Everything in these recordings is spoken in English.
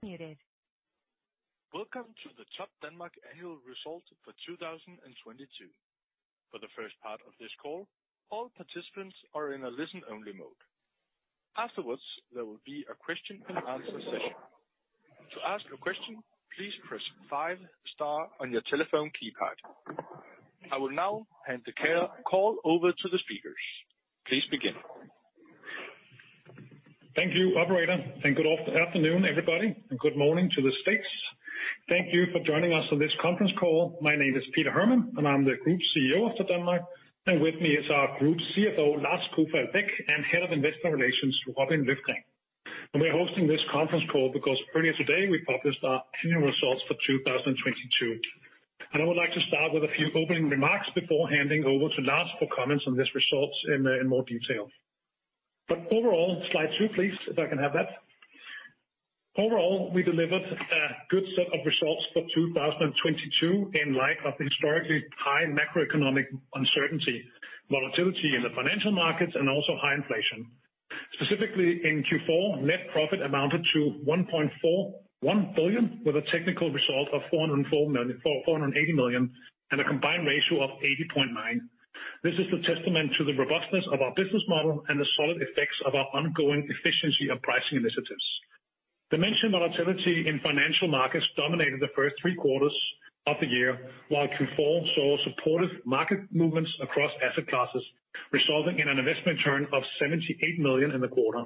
Muted. Welcome to the Topdanmark annual result for 2022. For the first part of this call, all participants are in a listen only mode. Afterwards, there will be a question-and-answer session. To ask a question, please press star five on your telephone keypad. I will now hand the care call over to the speakers. Please begin. Thank you, operator, good afternoon, everybody, and good morning to the States. Thank you for joining us on this conference call. My name is Peter Hermann, and I'm the Group CEO of Topdanmark, and with me is our Group CFO, Lars Kufall Beck, and Head of Investor Relations, Robin Hjelgaard Løfgren. We're hosting this conference call because earlier today we published our annual results for 2022. I would like to start with a few opening remarks before handing over to Lars for comments on this results in more detail. Overall, slide two, please, if I can have that. Overall, we delivered a good set of results for 2022 in light of historically high macroeconomic uncertainty, volatility in the financial markets and also high inflation. Specifically in Q4, net profit amounted to 1.41 billion, with a technical result of 480 million and a combined ratio of 80.9%. This is a testament to the robustness of our business model and the solid effects of our ongoing efficiency and pricing initiatives. The mentioned volatility in financial markets dominated the first three quarters of the year, while Q4 saw supportive market movements across asset classes, resulting in an investment return of 78 million in the quarter.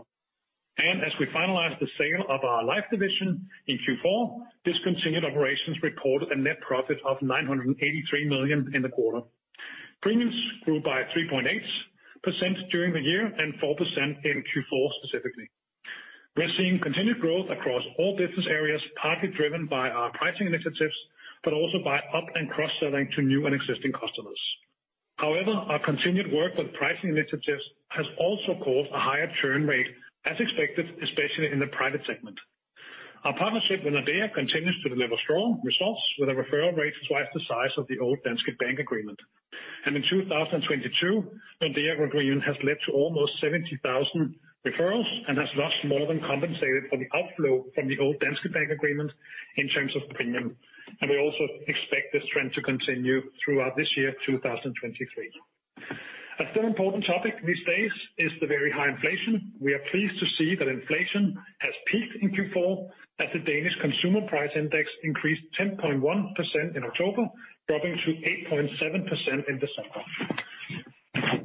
As we finalized the sale of our life division in Q4, discontinued operations recorded a net profit of 983 million in the quarter. Premiums grew by 3.8% during the year and 4% in Q4 specifically. We're seeing continued growth across all business areas, partly driven by our pricing initiatives, but also by up- and cross-selling to new and existing customers. However, our continued work with pricing initiatives has also caused a higher churn rate, as expected, especially in the private segment. Our partnership with Nordea continues to deliver strong results with a referral rate twice the size of the old Danske Bank agreement. In 2022, Nordea agreement has led to almost 70,000 referrals and has thus more than compensated for the outflow from the old Danske Bank agreement in terms of premium. We also expect this trend to continue throughout this year, 2023. Still important topic these days is the very high inflation. We are pleased to see that inflation has peaked in Q4 as the Danish Consumer Price Index increased 10.1% in October, dropping to 8.7% in December.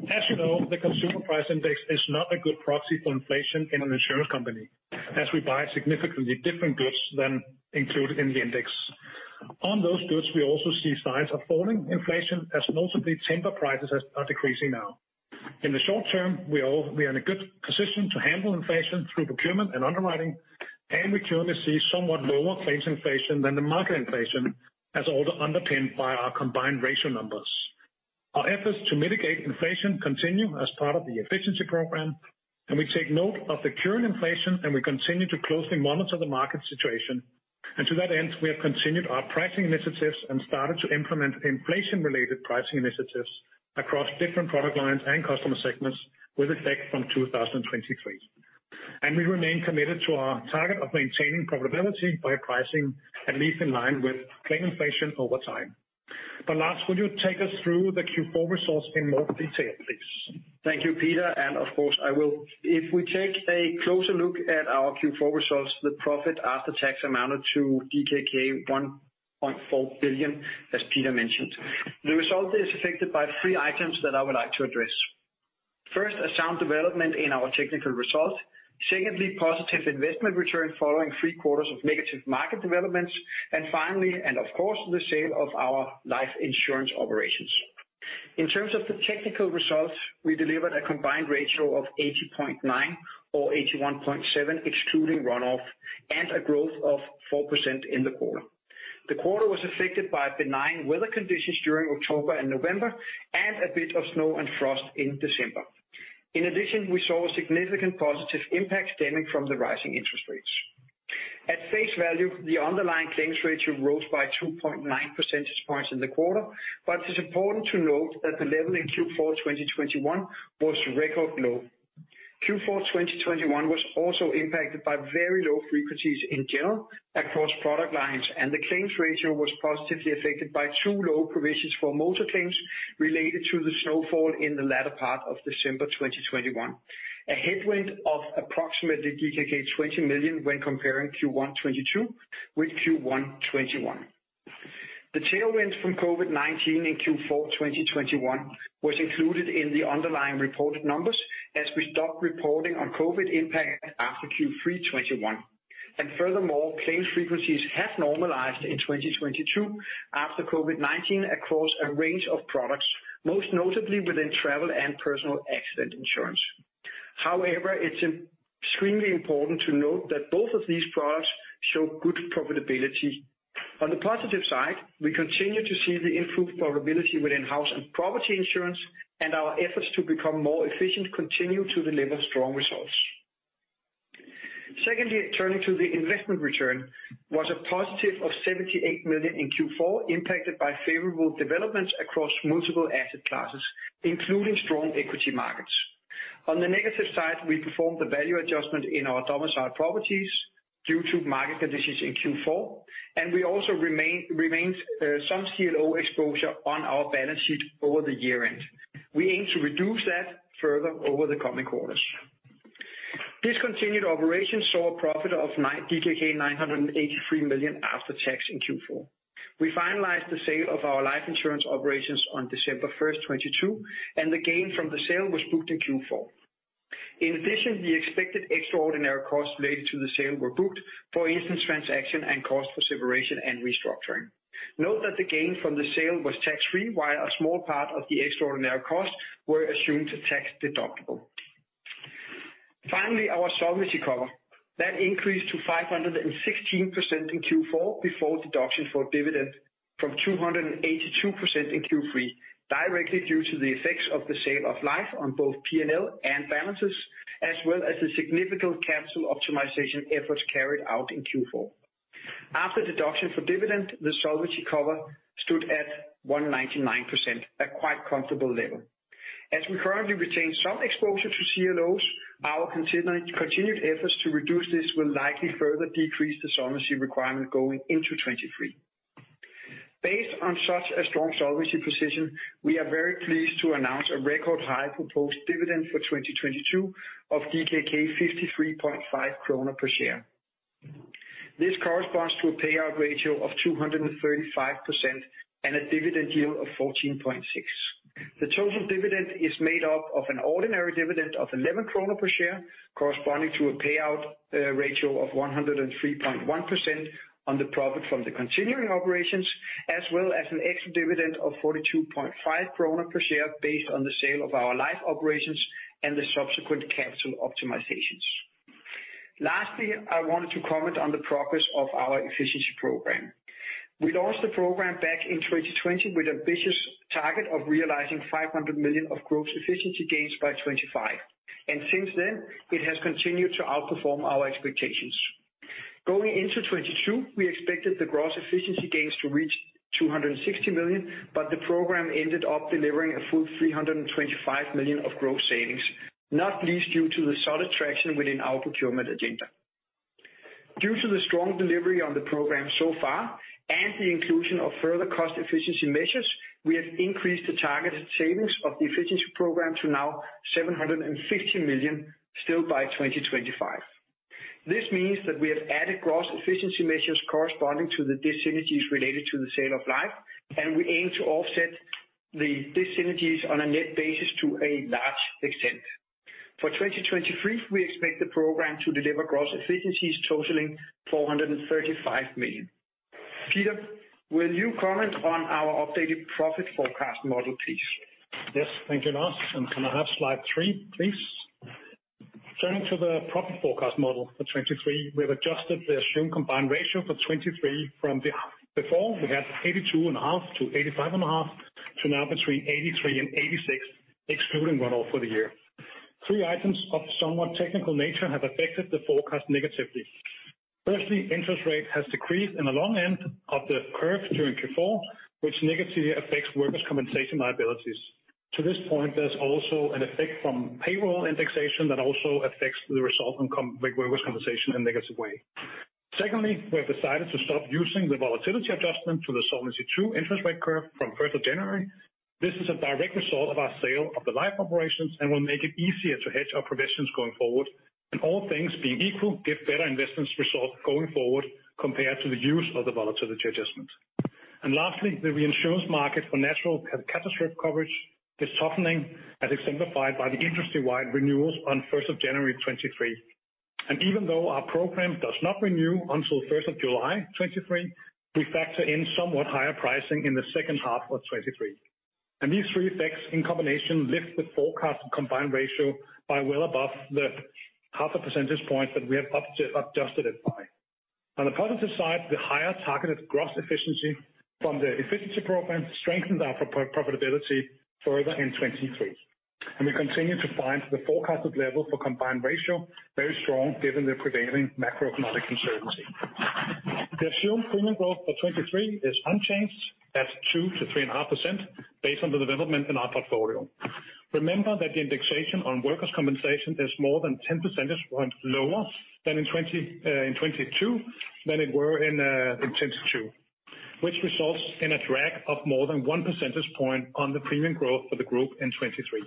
As you know, the Consumer Price Index is not a good proxy for inflation in an insurance company, as we buy significantly different goods than included in the index. On those goods, we also see signs of falling inflation, as notably timber prices are decreasing now. In the short term, we are in a good position to handle inflation through procurement and underwriting, and we currently see somewhat lower claims inflation than the market inflation as also underpinned by our combined ratio numbers. Our efforts to mitigate inflation continue as part of the efficiency program, we take note of the current inflation, and we continue to closely monitor the market situation. To end, we have continued our pricing initiatives and started to implement inflation-related pricing initiatives across different product lines and customer segments with effect from 2023. We remain committed to our target of maintaining profitability by pricing at least in line with claim inflation over time. Lars, would you take us through the Q4 results in more detail, please? Thank you, Peter. Of course I will. If we take a closer look at our Q4 results, the profit after tax amounted to DKK 1.4 billion, as Peter mentioned. The result is affected by three items that I would like to address. First, a sound development in our technical results. Secondly, positive investment return following three quarters of negative market developments. Finally, and of course, the sale of our life insurance operations. In terms of the technical results, we delivered a combined ratio of 80.9 or 81.7 excluding run-off and a growth of 4% in the quarter. The quarter was affected by benign weather conditions during October and November and a bit of snow and frost in December. In addition, we saw a significant positive impact stemming from the rising interest rates. At face value, the underlying claims ratio rose by 2.9 percentage points in the quarter. It's important to note that the level in Q4 2021 was record low. Q4 2021 was also impacted by very low frequencies in general across product lines. The claims ratio was positively affected by two low provisions for motor claims related to the snowfall in the latter part of December 2021. A headwind of approximately DKK 20 million when comparing Q1 2022 with Q1 2021. The tailwind from COVID-19 in Q4 2021 was included in the underlying reported numbers as we stopped reporting on COVID impact after Q3 2021. Furthermore, claims frequencies have normalized in 2022 after COVID-19 across a range of products, most notably within travel and personal accident insurance. However, it's extremely important to note that both of these products show good profitability. On the positive side, we continue to see the improved profitability within house and property insurance, and our efforts to become more efficient continue to deliver strong results. Turning to the investment return was a positive of 78 million in Q4, impacted by favorable developments across multiple asset classes, including strong equity markets. On the negative side, we performed the value adjustment in our domiciled properties due to market conditions in Q4, and we also remained some CLO exposure on our balance sheet over the year-end. We aim to reduce that further over the coming quarters. Discontinued operations saw a profit of DKK 983 million after tax in Q4. We finalized the sale of our life insurance operations on December 1, 2022, the gain from the sale was booked in Q4. In addition, the expected extraordinary costs related to the sale were booked, for instance, transaction and cost for separation and restructuring. Note that the gain from the sale was tax-free, while a small part of the extraordinary costs were assumed tax deductible. Finally, our solvency cover. That increased to 516% in Q4 before deduction for dividend from 282% in Q3, directly due to the effects of the sale of life on both P&L and balances, as well as the significant capital optimization efforts carried out in Q4. After deduction for dividend, the solvency cover stood at 199%, a quite comfortable level. As we currently retain some exposure to CLOs, our continued efforts to reduce this will likely further decrease the solvency requirement going into 2023. Based on such a strong solvency position, we are very pleased to announce a record high proposed dividend for 2022 of 53.5 kroner per share. This corresponds to a payout ratio of 235% and a dividend yield of 14.6%. The total dividend is made up of an ordinary dividend of 11 kroner per share, corresponding to a payout ratio of 103.1% on the profit from the continuing operations, as well as an extra dividend of 42.5 kroner per share based on the sale of our live operations and the subsequent capital optimizations. Lastly, I wanted to comment on the progress of our efficiency program. We launched the program back in 2020 with ambitious target of realizing 500 million of gross efficiency gains by 2025. Since then, it has continued to outperform our expectations. Going into 2022 we expected the gross efficiency gains to reach 260 million, but the program ended up delivering a full 325 million of gross savings, not least due to the solid traction within our procurement agenda. Due to the strong delivery on the program so far and the inclusion of further cost efficiency measures, we have increased the targeted savings of the efficiency program to now 750 million still by 2025. This means that we have added gross efficiency measures corresponding to the dissynergies related to the sale of life, and we aim to offset the dissynergies on a net basis to a large extent. For 2023 we expect the program to deliver gross efficiencies totaling 435 million. Peter, will you comment on our updated profit forecast model, please? Yes, thank you, Lars. Can I have slide three, please? Turning to the profit forecast model for 2023, we have adjusted the assumed combined ratio for 2023 from before we had 82.5%-85.5% to now between 83% and 86%, excluding run-off for the year. Three items of somewhat technical nature have affected the forecast negatively. Firstly, interest rate has decreased in the long end of the curve during Q4, which negatively affects workers' compensation liabilities. To this point, there's also an effect from payroll indexation that also affects the result on workers' compensation in a negative way. Secondly, we have decided to stop using the volatility adjustment to the Solvency II interest rate curve from 1st of January. This is a direct result of our sale of the live operations and will make it easier to hedge our provisions going forward, all things being equal, give better investment results going forward compared to the use of the volatility adjustment. Lastly, the reinsurance market for natural catastrophe coverage is softening, as exemplified by the industry-wide renewals on January 1, 2023. Even though our program does not renew until July 1, 2023, we factor in somewhat higher pricing in the second half of 2023. These three effects in combination lift the forecast combined ratio by well above the half a percentage point that we have adjusted it by. On the positive side, the higher targeted gross efficiency from the efficiency program strengthens our profitability further in 2023. We continue to find the forecasted level for combined ratio very strong given the prevailing macroeconomic uncertainty. The assumed premium growth for 2023 is unchanged at 2-3.5% based on the development in our portfolio. Remember that the indexation on workers' compensation is more than 10 percentage points lower than in 2022 than it were in 2022, which results in a drag of more than 1 percentage point on the premium growth for the group in 2023.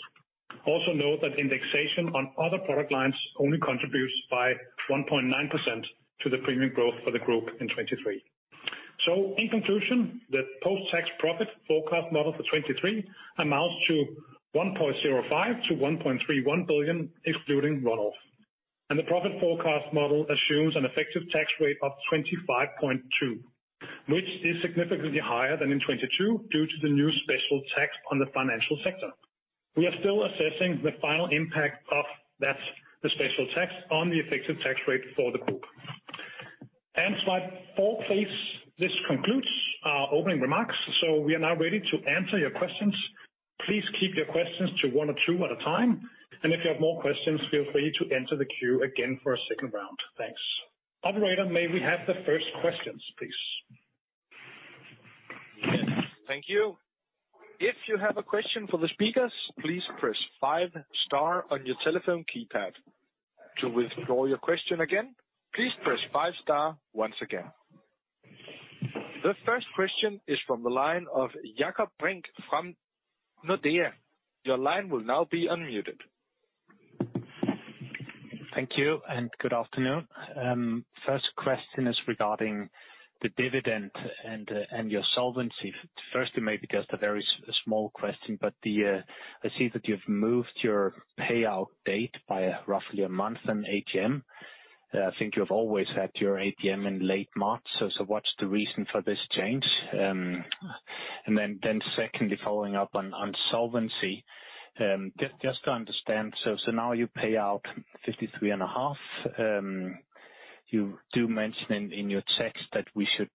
Note that indexation on other product lines only contributes by 1.9% to the premium growth for the group in 2023. In conclusion, the post-tax profit forecast model for 2023 amounts to 1.05 billion-1.31 billion, excluding run-off. The profit forecast model assumes an effective tax rate of 25.2%, which is significantly higher than in 2022 due to the new special tax on the financial sector. We are still assessing the final impact of that, the special tax, on the effective tax rate for the group. Slide four, please. This concludes our opening remarks, so we are now ready to answer your questions. Please keep your questions to one to two at a time, and if you have more questions, feel free to enter the queue again for a second round. Thanks. Operator, may we have the first questions, please? Thank you. If you have a question for the speakers, please press five-star on your telephone keypad. To withdraw your question again, please press five star once again. The first question is from the line of Jakob Brink from Nordea. Your line will now be unmuted. Thank you. Good afternoon. First question is regarding the dividend and your solvency. Firstly, maybe just a very small question, but I see that you've moved your payout date by roughly a month in AGM. I think you have always had your AGM in late March. What's the reason for this change? Secondly, following up on solvency, to understand. Now you pay out 53 and a half percentage. You do mention in your text that we should,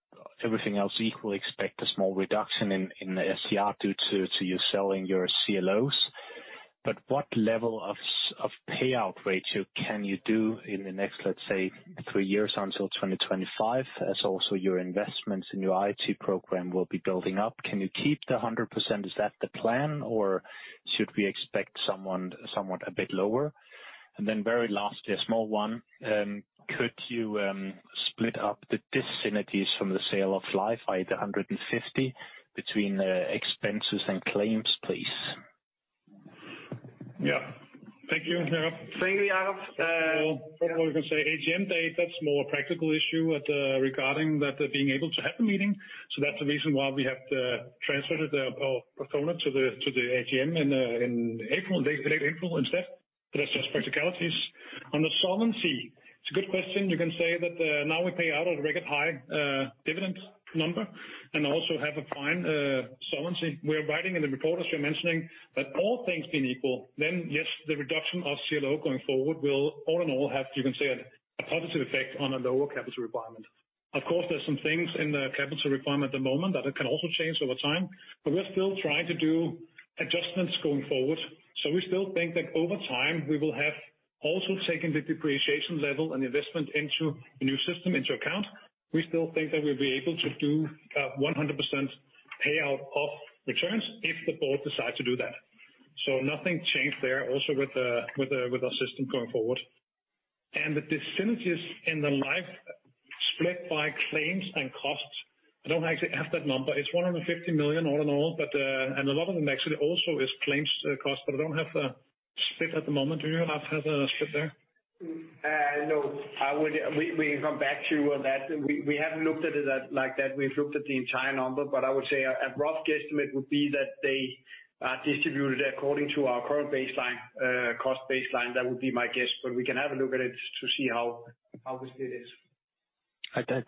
everything else equal, expect a small reduction in the SCR due to you selling your CLOs. What level of payout ratio can you do in the next, let's say, three years until 2025, as also your investments in your IT program will be building up? Can you keep the 100%? Is that the plan, or should we expect somewhat a bit lower? Very lastly, a small one, could you split up the dis-synergies from the sale of Life, either 150 between expenses and claims, please? Yeah. Thank you, Jakob. Thank you, Jakob. First of all, we can say AGM date, that's more a practical issue at the regarding that being able to have the meeting. That's the reason why we have to transfer our persona to the AGM in April, the date April instead. That's just practicalities. On the solvency, it's a good question. You can say that now we pay out a record high dividend number and also have a fine solvency. We're writing in the report, as you're mentioning, that all things being equal, then yes, the reduction of CLO going forward will all in all have, you can say, a positive effect on a lower capital requirement. Of course, there's some things in the capital requirement at the moment that it can also change over time, but we're still trying to do adjustments going forward. We still think that over time, we will have also taken the depreciation level and investment into the new system into account. We still think that we'll be able to do 100% payout of returns if the board decide to do that. Nothing changed there also with our system going forward. The diss synergies in the Life split by claims and costs. I don't actually have that number. It's 150 million all in all, and a lot of them actually also is claims costs, but I don't have the split at the moment. Do you have a split there? No. We can come back to you on that. We haven't looked at it like that. We've looked at the entire number, but I would say a rough guesstimate would be that they are distributed according to our current baseline, cost baseline. That would be my guess. We can have a look at it to see how we split this.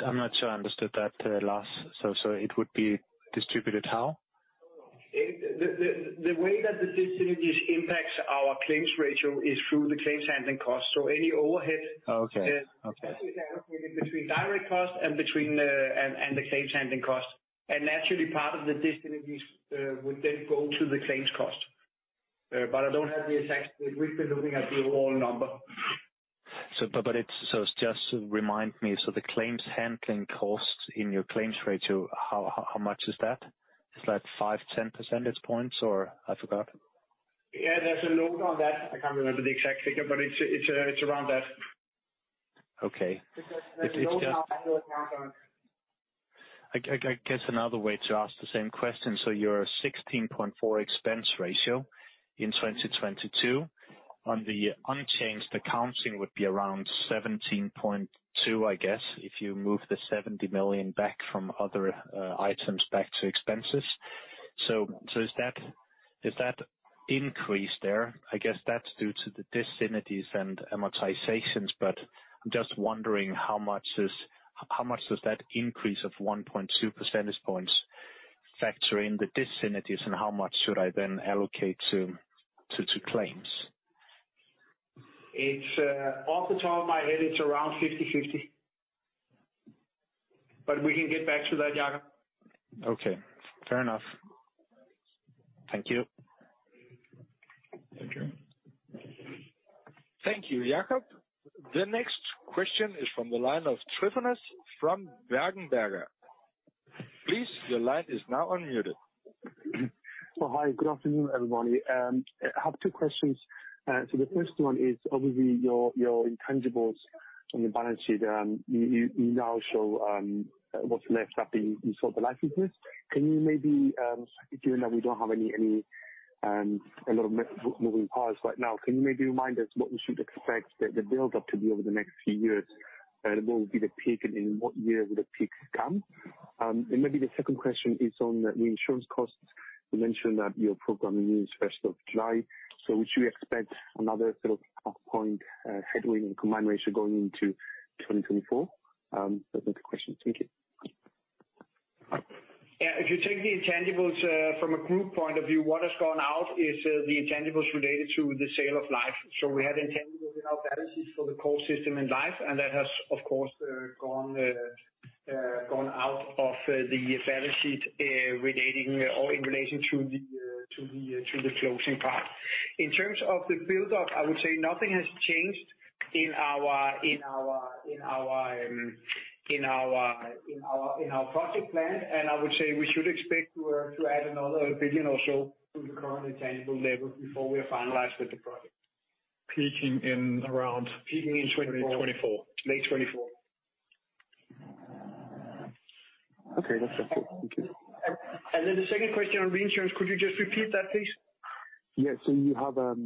I'm not sure I understood that, Lars. It would be distributed how? The way that the diss synergies impacts our claims ratio is through the claim handling costs. Oh, okay. Okay. Between direct costs and the claims handling costs. Naturally, part of the diss synergies would then go to the claims cost. We've been looking at the overall number. Just remind me. The claims handling costs in your claims ratio, how much is that? Is that 5, 10 percentage points, or I forgot? Yeah, there's a load on that. I can't remember the exact figure, but it's around that. Okay. There's a load on annual accounts on it. I guess another way to ask the same question. Your 16.4 expense ratio in 2022 on the unchanged accounting would be around 17.2, I guess, if you move the 70 million back from other items back to expenses. Is that increase there? I guess that's due to the diss synergies and amortizations. I'm just wondering how much does that increase of 1.2 percentage points factor in the diss synergies and how much should I then allocate to claims? It's off the top of my head, it's around 50/50. We can get back to that, Jakob. Okay, fair enough. Thank you. Thank you. Thank you, Jakob. The next question is from the line of Tryfonas from Berenberg. Please, your line is now unmuted. Oh, hi. Good afternoon, everybody. I have two questions. The first one is obviously your intangibles on your balance sheet. You now show what's left after you sold the life business. Can you maybe given that we don't have any, a lot of moving parts right now, can you maybe remind us what we should expect the build up to be over the next few years? What would be the peak and in what year would the peak come? Maybe the second question is on the insurance costs. You mentioned that your program ends first of July. Should we expect another sort of half point headwind in combined ratio going into 2024? Those are the questions. Thank you. Yeah, if you take the intangibles from a group point of view, what has gone out is the intangibles related to the sale of Life. So we have intangibles without balance sheets for the core system in Life, and that has of course, gone out of the balance sheet relating or in relation to the to the to the closing part. In terms of the build up, I would say nothing has changed in our project plan. I would say we should expect to add another 1 billion or so to the current attainable level before we are finalized with the project. Peaking in around- Peaking in 20-. 24. Late 2024. Okay, that's helpful. Thank you. The second question on reinsurance. Could you just repeat that please? Yes. You have, sort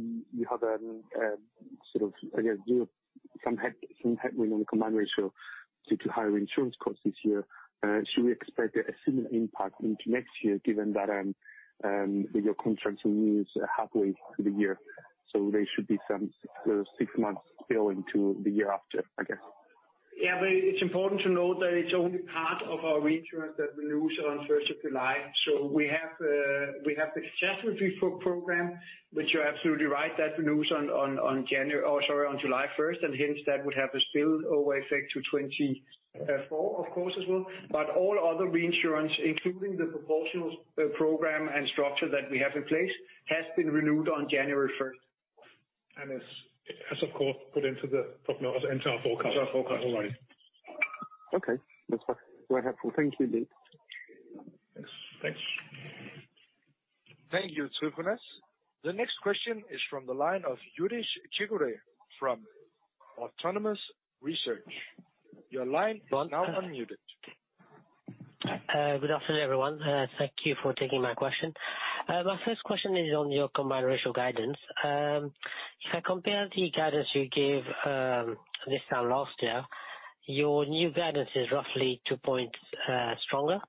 of, I guess you have some headwind on the combined ratio due to higher insurance costs this year. Should we expect a similar impact into next year given that your contracts renews halfway through the year, so there should be some six months spill into the year after, I guess? It's important to note that it's only part of our reinsurance that renews on first of July. We have the catastrophe program, which you're absolutely right, that renews on July first, and hence that would have a spillover effect to 2024 of course as well. All other reinsurance, including the proportional program and structure that we have in place, has been renewed on January first. Is as of course put into the prognosis into our forecast. Into our forecast. Okay. That's very helpful. Thank you, Lars. Yes. Thanks. Thank you, Tryfonas. The next question is from the line of Youdish Jewoet from Autonomous Research. Your line is now unmuted. Good afternoon, everyone. Thank you for taking my question. My first question is on your combined ratio guidance. If I compare the guidance you gave, this time last year, your new guidance is roughly two. stronger.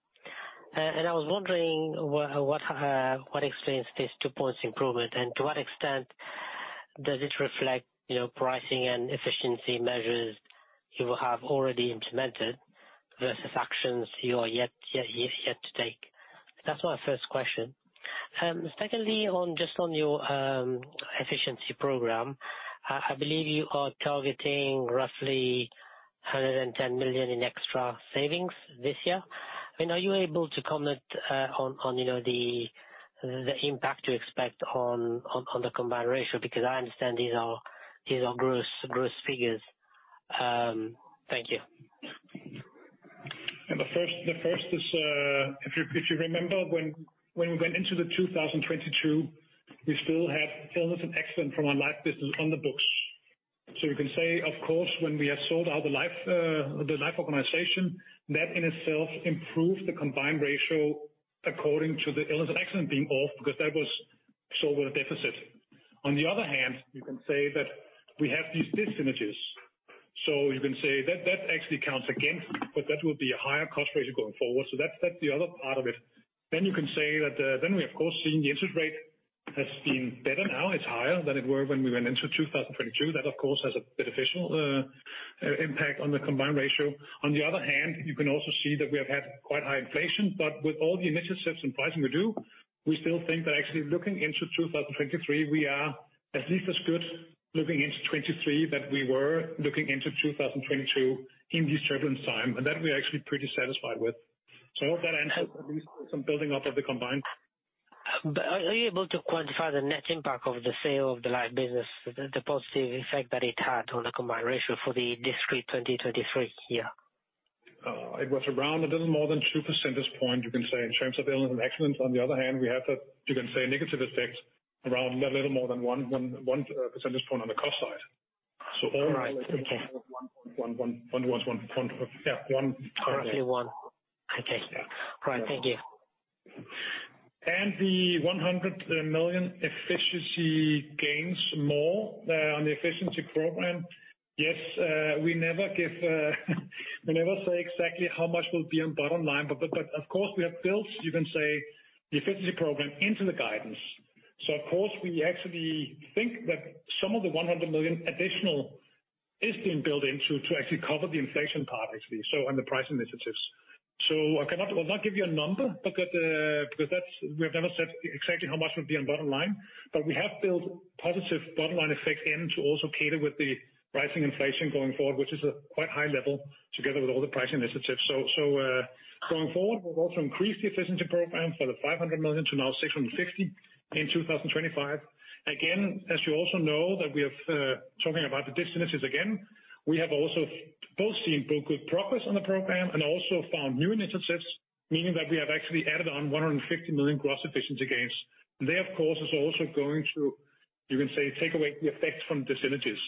I was wondering what explains this 2 points improvement, and to what extent does it reflect, you know, pricing and efficiency measures you have already implemented versus actions you are yet to take. That's my first question. Secondly, on just on your efficiency program, I believe you are targeting roughly 110 million in extra savings this year. I mean, are you able to comment on the combined ratio? I understand these are gross figures. Thank you. The first is, if you remember when we went into 2022, we still had illness and accident from our life business on the books. You can say, of course, when we have sold out the life, the life organization, that in itself improved the combined ratio according to the illness and accident being off, because that was sold with a deficit. On the other hand, you can say that we have these synergies. You can say that that actually counts against, but that will be a higher cost ratio going forward. That's the other part of it. You can say that, we of course seen the interest rate has been better now, it's higher than it were when we went into 2022. That of course has a beneficial impact on the combined ratio. You can also see that we have had quite high inflation. With all the initiatives and pricing we do, we still think that actually looking into 2023, we are at least as good looking into 2023 than we were looking into 2022 in this current time. That we're actually pretty satisfied with. I hope that answers at least some building up of the combined. Are you able to quantify the net impact of the sale of the life business, the positive effect that it had on the combined ratio for the discrete 2023 year? It was around a little more than 2 percentage points, you can say, in terms of illness and accidents. We have that, you can say negative effect around a little more than 1 percentage point on the cost side. One point one, one, one. Yeah. One. Currently one. Okay. Yeah. All right. Thank you. The 100 million efficiency gains more on the efficiency program. Yes. We never give, we never say exactly how much will be on bottom line, but of course we have built, you can say the efficiency program into the guidance. Of course we actually think that some of the 100 million additional is being built into to actually cover the inflation part actually, so on the price initiatives. I cannot give you a number because we have never said exactly how much would be on bottom line, but we have built positive bottom line effect in to also cater with the rising inflation going forward, which is a quite high level together with all the price initiatives. Going forward, we've also increased the efficiency program for 500 million to now 660 million in 2025. As you also know that we have, talking about the synergies again, we have also both seen good progress on the program and also found new initiatives, meaning that we have actually added on 150 million gross efficiency gains. Of course is also going to, you can say, take away the effects from the synergies.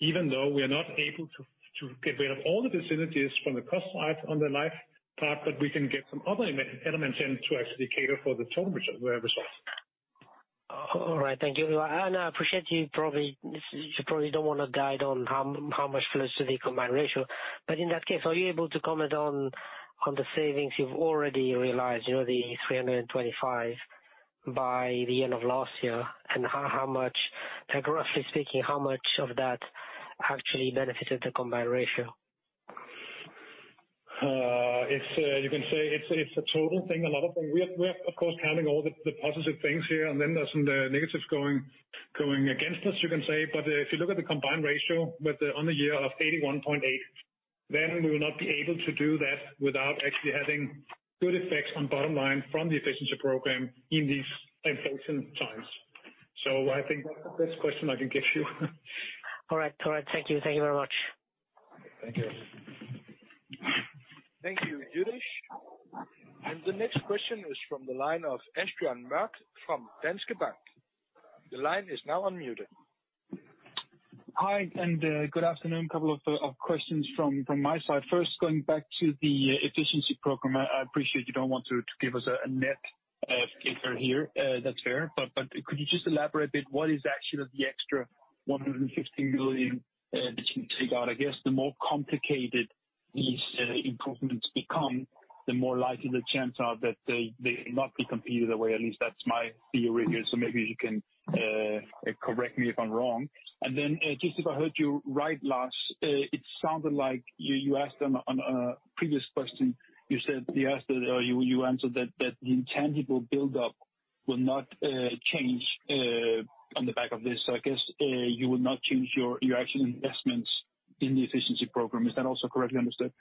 Even though we are not able to get rid of all the synergies from the cost side on the life part, we can get some other elements in to actually cater for the total result. All right. Thank you. I appreciate you probably don't want to guide on how much flows to the combined ratio. In that case, are you able to comment on the savings you've already realized, you know, the 325 by the end of last year? How much, like roughly speaking, how much of that actually benefited the combined ratio? It's a total thing. Another thing, we are of course counting all the positive things here, and then there's some negatives going against us, you can say. If you look at the combined ratio on the year of 81.8... We will not be able to do that without actually having good effects on bottom line from the efficiency program in these inflation times. I think that's the best question I can give you. All right. Thank you very much. Thank you. Thank you, Youdish. The next question is from the line of Asbjørn Mørk from Danske Bank. The line is now unmuted. Hi, good afternoon. Couple of questions from my side. First, going back to the efficiency program. I appreciate you don't want to give us a net figure here. That's fair. Could you just elaborate a bit, what is actually the extra 115 billion that you take out? I guess the more complicated these improvements become, the more likely the chance are that they not be completed the way. At least that's my theory here, so maybe you can correct me if I'm wrong. Then, just if I heard you right, Lars, it sounded like you asked them on a previous question, you said you asked, or you answered that the intangible buildup will not change on the back of this. I guess, you would not change your actual investments in the efficiency program. Is that also correctly understood?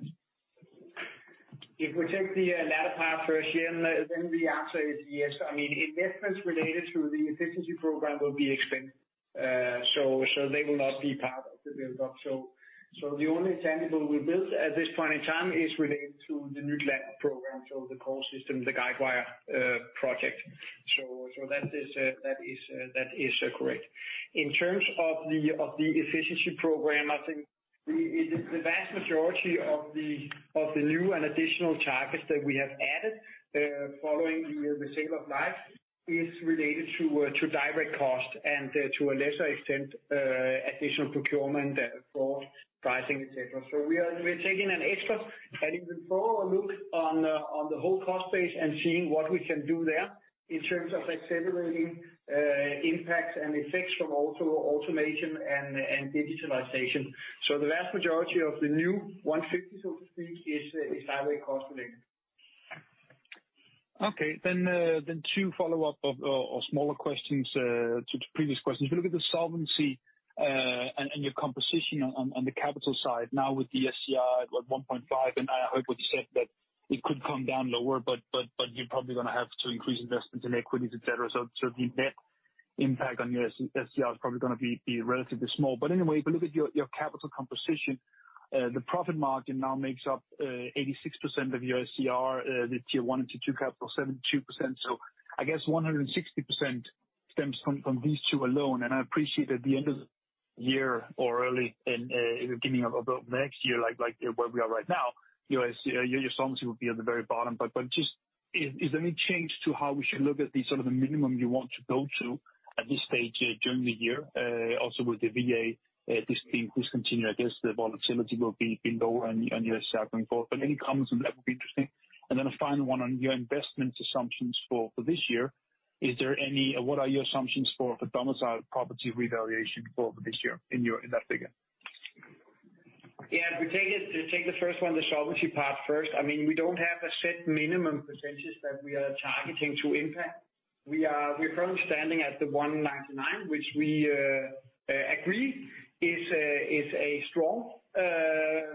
If we take the latter part first, then the answer is yes. I mean, investments related to the efficiency program will be expensed. They will not be part of the buildup. The only tangible we build at this point in time is related to the new lab program, so the call system, the Guidewire project. That is correct. In terms of the efficiency program, I think the vast majority of the new and additional targets that we have added, following the sale of Life is related to direct cost and, to a lesser extent, additional procurement for pricing, et cetera. We're taking an extra and even thorough look on the whole cost base and seeing what we can do there in terms of accelerating impacts and effects from automation and digitalization. The vast majority of the new 150, so to speak, is direct cost related. Okay. two follow up of smaller questions to the previous questions. If you look at the solvency and your composition on the capital side now with the SCR at 1.5, and I heard what you said, that it could come down lower, but you're probably gonna have to increase investments in equities, et cetera. the net impact on your SCR is probably gonna be relatively small. Anyway, if you look at your capital composition, the profit margin now makes up 86% of your SCR. The Tier 1 and Tier 2 capital, 72%. I guess 160% stems from these two alone. I appreciate at the end of the year or early in, beginning of next year, like where we are right now, your SCR, your solvency will be at the very bottom. Just is there any change to how we should look at the sort of a minimum you want to go to at this stage during the year? Also with the VA, this being discontinued, I guess the volatility will be even lower on your side going forward. Any comments on that would be interesting. Then a final one on your investments assumptions for this year. What are your assumptions for the domicile property revaluation for this year in your, in that figure? If we take the first one, the solvency part first. I mean, we don't have a set minimum % that we are targeting to impact. We're currently standing at the 199, which we agree is a strong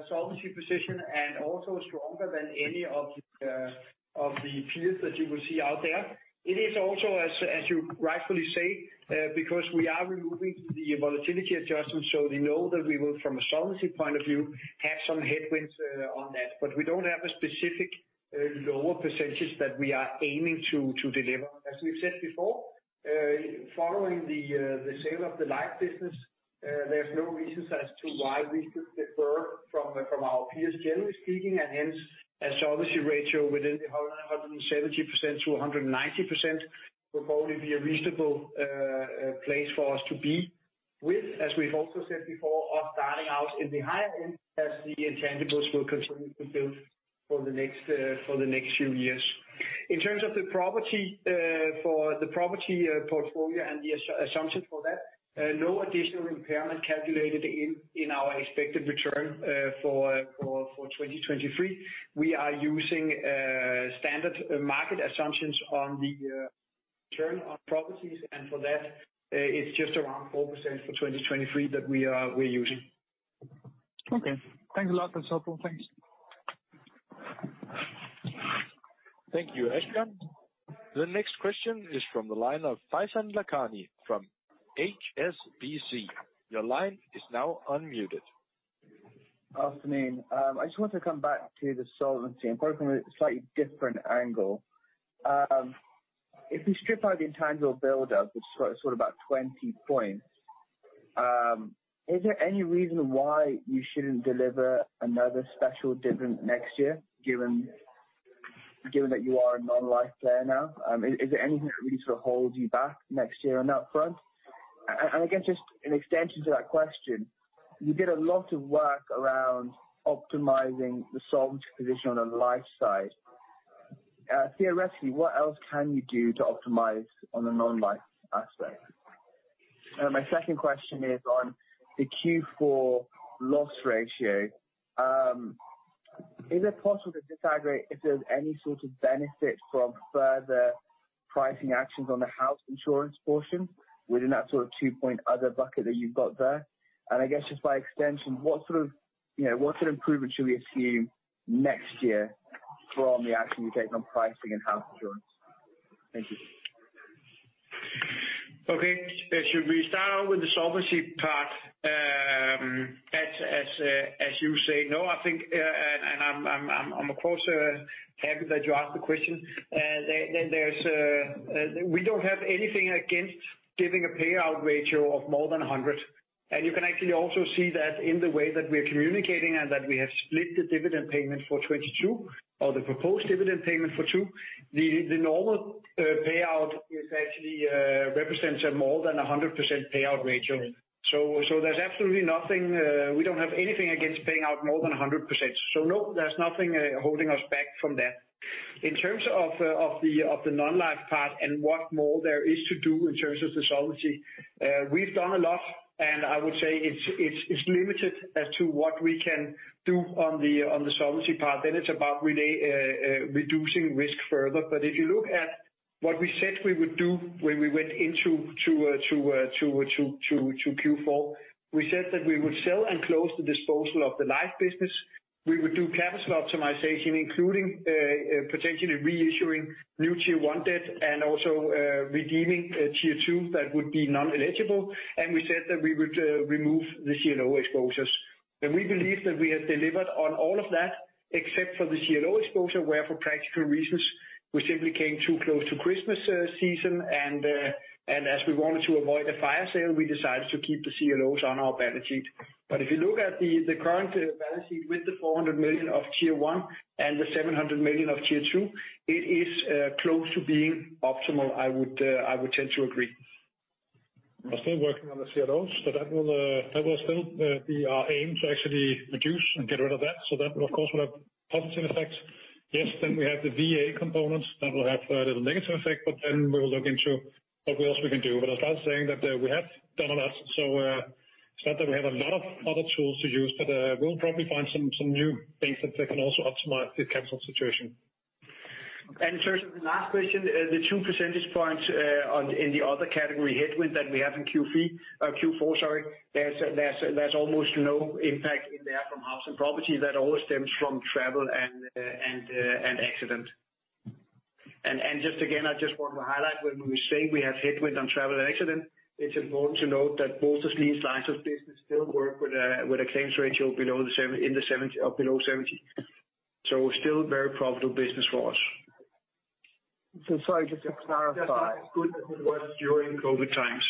solvency position and also stronger than any of the peers that you will see out there. It is also, as you rightfully say, because we are removing the volatility adjustment, we know that we will from a solvency point of view, have some headwinds on that. We don't have a specific lower % that we are aiming to deliver. As we've said before, following the sale of the Life business, there's no reasons as to why we should differ from our peers, generally speaking. Hence a solvency ratio within 170%-190% will probably be a reasonable place for us to be with. We've also said before, us starting out in the higher end as the intangibles will continue to build for the next few years. In terms of the property for the property portfolio and the as-assumption for that, no additional impairment calculated in our expected return for 2023. We are using standard market assumptions on the return on properties. For that, it's just around 4% for 2023 that we are using. Okay. Thanks a lot. That's helpful. Thanks. Thank you, Asbjørn. The next question is from the line of Faizan Lakhani from HSBC. Your line is now unmuted. Afternoon. I just want to come back to the solvency and approach from a slightly different angle. If we strip out the intangible build up, which is sort of about 20 points, is there any reason why you shouldn't deliver another special dividend next year, given that you are a non-life player now? Is there anything that really sort of holds you back next year on that front? Again, just an extension to that question. You did a lot of work around optimizing the solvency position on the life side. Theoretically, what else can you do to optimize on the non-life aspect? My second question is on the Q4 loss ratio. Is it possible to disaggregate if there's any sort of benefit from further pricing actions on the house insurance portion within that sort of 2-point other bucket that you've got there? I guess just by extension, what sort of, you know, what sort of improvement should we assume next year from the action you're taking on pricing and house insurance? Thank you. Okay. Should we start out with the solvency part? As you say, no, I think, I'm of course happy that you asked the question. There's we don't have anything against giving a payout ratio of more than 100. You can actually also see that in the way that we're communicating and that we have split the dividend payment for 22 or the proposed dividend payment for two. The normal payout is actually represents a more than 100% payout ratio. There's absolutely nothing we don't have anything against paying out more than 100%. No, there's nothing holding us back from that. In terms of the non-life part and what more there is to do in terms of the solvency, we've done a lot, I would say it's limited as to what we can do on the solvency part. It's about reducing risk further. If you look at what we said we would do when we went into Q4, we said that we would sell and close the disposal of the life business. We would do capital optimization, including potentially reissuing new Tier 1 debt and also redeeming Tier 2 that would be non-eligible. We said that we would remove the CLO exposures. We believe that we have delivered on all of that except for the CLO exposure, where for practical reasons, we simply came too close to Christmas season, and as we wanted to avoid a fire sale, we decided to keep the CLOs on our balance sheet. If you look at the current balance sheet with the 400 million of Tier 1 and the 700 million of Tier 2, it is close to being optimal, I would tend to agree. We're still working on the CLOs, so that will, that will still be our aim to actually reduce and get rid of that. That of course will have positive effects. We have the VA components that will have a little negative effect, but then we will look into what else we can do. As I was saying that we have done a lot, so it's not that we have a lot of other tools to use, but we'll probably find some new things that can also optimize the capital situation. In terms of the last question, the 2 percentage points on, in the other category headwind that we have in Q3, Q4, sorry, there's almost no impact in there from house and property. That all stems from travel and, and accident. Just again, I just want to highlight when we say we have headwind on travel and accident, it's important to note that both of these lines of business still work with a, with a claims ratio in the 70 or below 70. Still very profitable business for us. Sorry, just to clarify. Just not as good as it was during COVID times.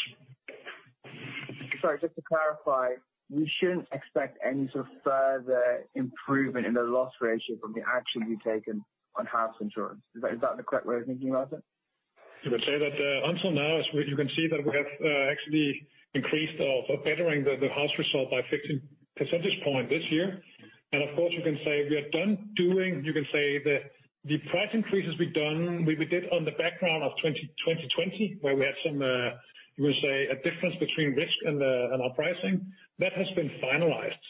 Sorry, just to clarify, we shouldn't expect any sort of further improvement in the loss ratio from the action you've taken on house insurance. Is that the correct way of thinking about it? You could say that, until now, as you can see that we have actually increased or bettering the house result by 15 percentage point this year. Of course, you can say we are done doing, you can say the price increases we've done, we did on the background of 2020, where we had some, you would say a difference between risk and our pricing. That has been finalized.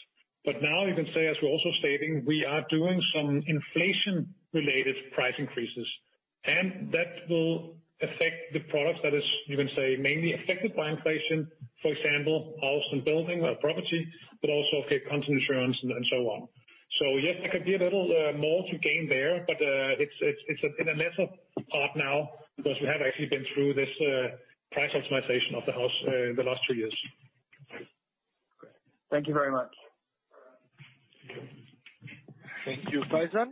Now you can say, as we're also stating, we are doing some inflation related price increases, and that will affect the products that is, you can say, mainly affected by inflation. For example, house and building or property, but also content insurance and so on. yes, there could be a little more to gain there, but it's in a lesser part now because we have actually been through this price optimization of the house the last two years. Great. Thank you very much. Thank you, Faizan.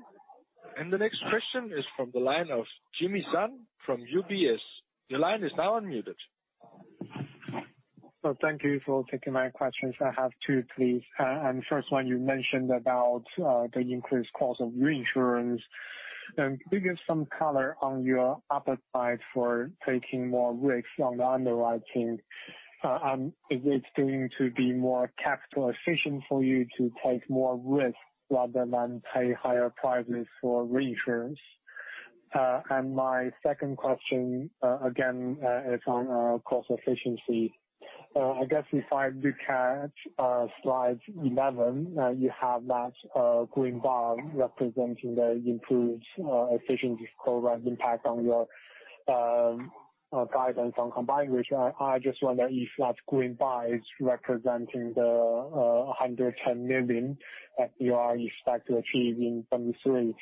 The next question is from the line of Jimmy Sang from UBS. Your line is now unmuted. Thank you for taking my questions. I have two, please. First one, you mentioned about the increased cost of reinsurance. Can you give some color on your appetite for taking more risks on the underwriting? Is it going to be more capital efficient for you to take more risk rather than pay higher prices for reinsurance? My second question again is on cost efficiency. I guess if I look at slide 11, you have that green bar representing the improved efficiency of COVID impact on your guidance on combined ratio. I just wonder if that green bar is representing the 110 million that you expect to achieve in 2023.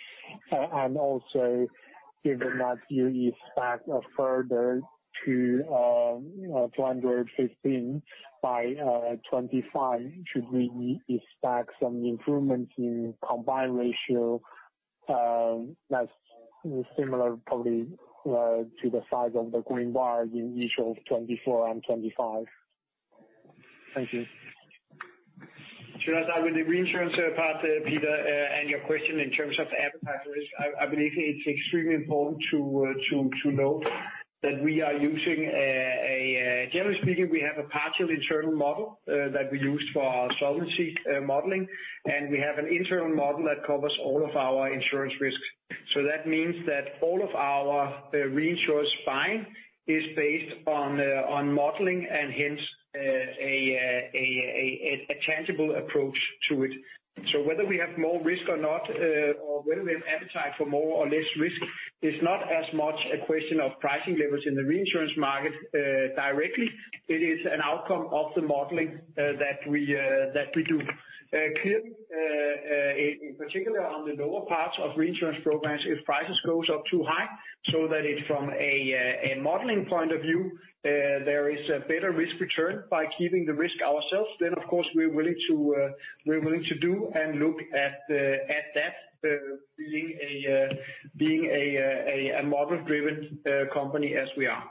Also, given that you expect a further 215 by 2025, should we expect some improvement in combined ratio that's similar probably to the size of the green bar in each of 2024 and 2025? Thank you. Should I start with the reinsurance part, Peter, and your question in terms of appetizers? I believe it's extremely important to note that we are using a partial internal model that we use for our solvency modeling, and we have an internal model that covers all of our insurance risks. That means that all of our reinsurance buying is based on modeling and hence, a tangible approach to it. Whether we have more risk or not, or whether we have appetite for more or less risk is not as much a question of pricing levels in the reinsurance market directly. It is an outcome of the modeling that we do. Clearly, in particular on the lower parts of reinsurance programs, if prices goes up too high, so that it from a modeling point of view, there is a better risk return by keeping the risk ourselves, of course we're willing to do and look at that, being a model driven company as we are.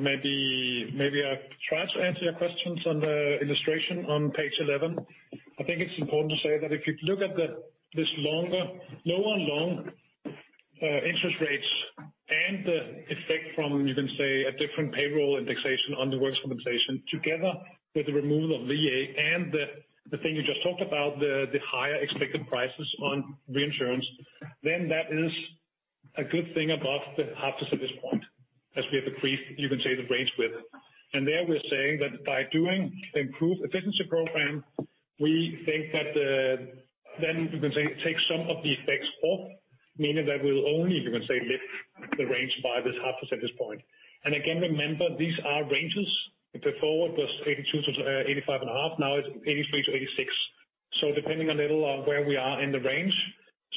Maybe I try to answer your questions on the illustration on page 11. I think it's important to say that if you look at this longer, lower long interest rates and the effect from a different payroll indexation on the workers' compensation, together with the removal of VA and the thing you just talked about, the higher expected prices on reinsurance, that is a good thing above the half percentage point, as we have increased the range with. There we're saying that by doing improved efficiency program, we think that take some of the effects off, meaning that we'll only lift the range by this half percentage point. Again, remember, these are ranges. Before it was 82%-85 and a half percentage, now it's 83%-86%. Depending a little on where we are in the range.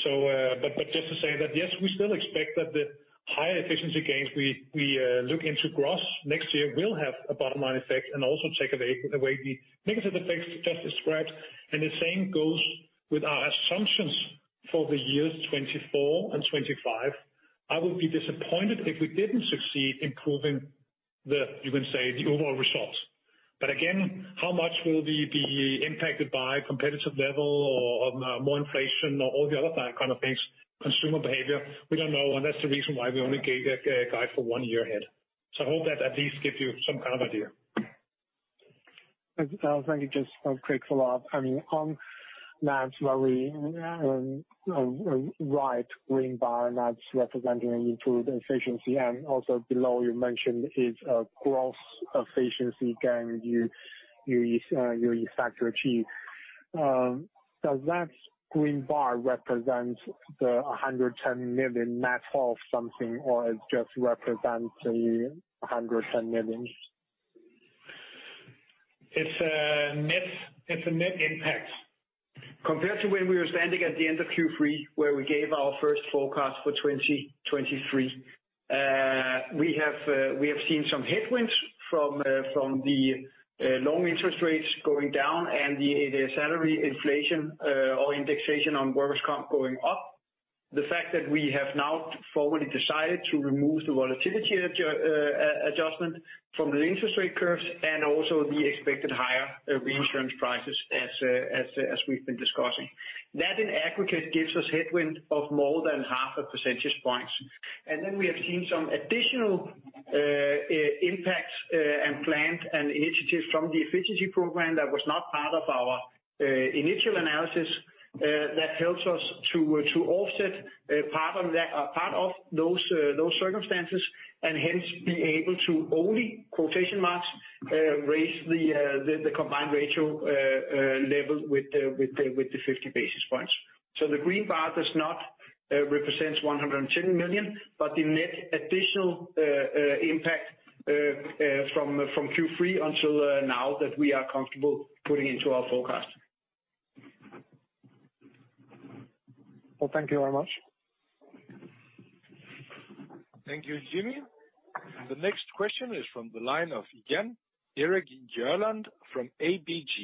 Just to say that yes, we still expect that the higher efficiency gains we look into gross next year will have a bottom line effect and also take away the negative effects just described. The same goes with our assumptions for the years 2024 and 2025. I would be disappointed if we didn't succeed in improving the, you can say, the overall results. Again, how much will we be impacted by competitive level or more inflation or all the other kind of things, consumer behavior? We don't know, and that's the reason why we only gave a guide for one year ahead. I hope that at least gives you some kind of idea. Thank you. Just a quick follow-up. I mean, on that very right green bar, that's representing improved efficiency. Also below you mentioned is a gross efficiency gain you expect to achieve. Does that green bar represent the 110 million net of something, or it just represents 110 million? It's a net impact. Compared to when we were standing at the end of Q3, where we gave our first forecast for 2023, we have seen some headwinds from the loan interest rates going down and the salary inflation, or indexation on workers comp going up. The fact that we have now formally decided to remove the volatility adjustment from the interest rate curves and also the expected higher reinsurance prices as we've been discussing. That in aggregate gives us headwind of more than half a percentage points. Then we have seen some additional impacts and planned and initiatives from the efficiency program that was not part of our initial analysis that helps us to offset part of those circumstances and hence be able to only, quotation marks, raise the combined ratio level with the 50 basis points. The green bar does not represent 110 million, but the net additional impact from Q3 until now that we are comfortable putting into our forecast. Well, thank you very much. Thank you, Jimmy Sun. The next question is from the line of, again, Jan Erik Gjerland from ABG.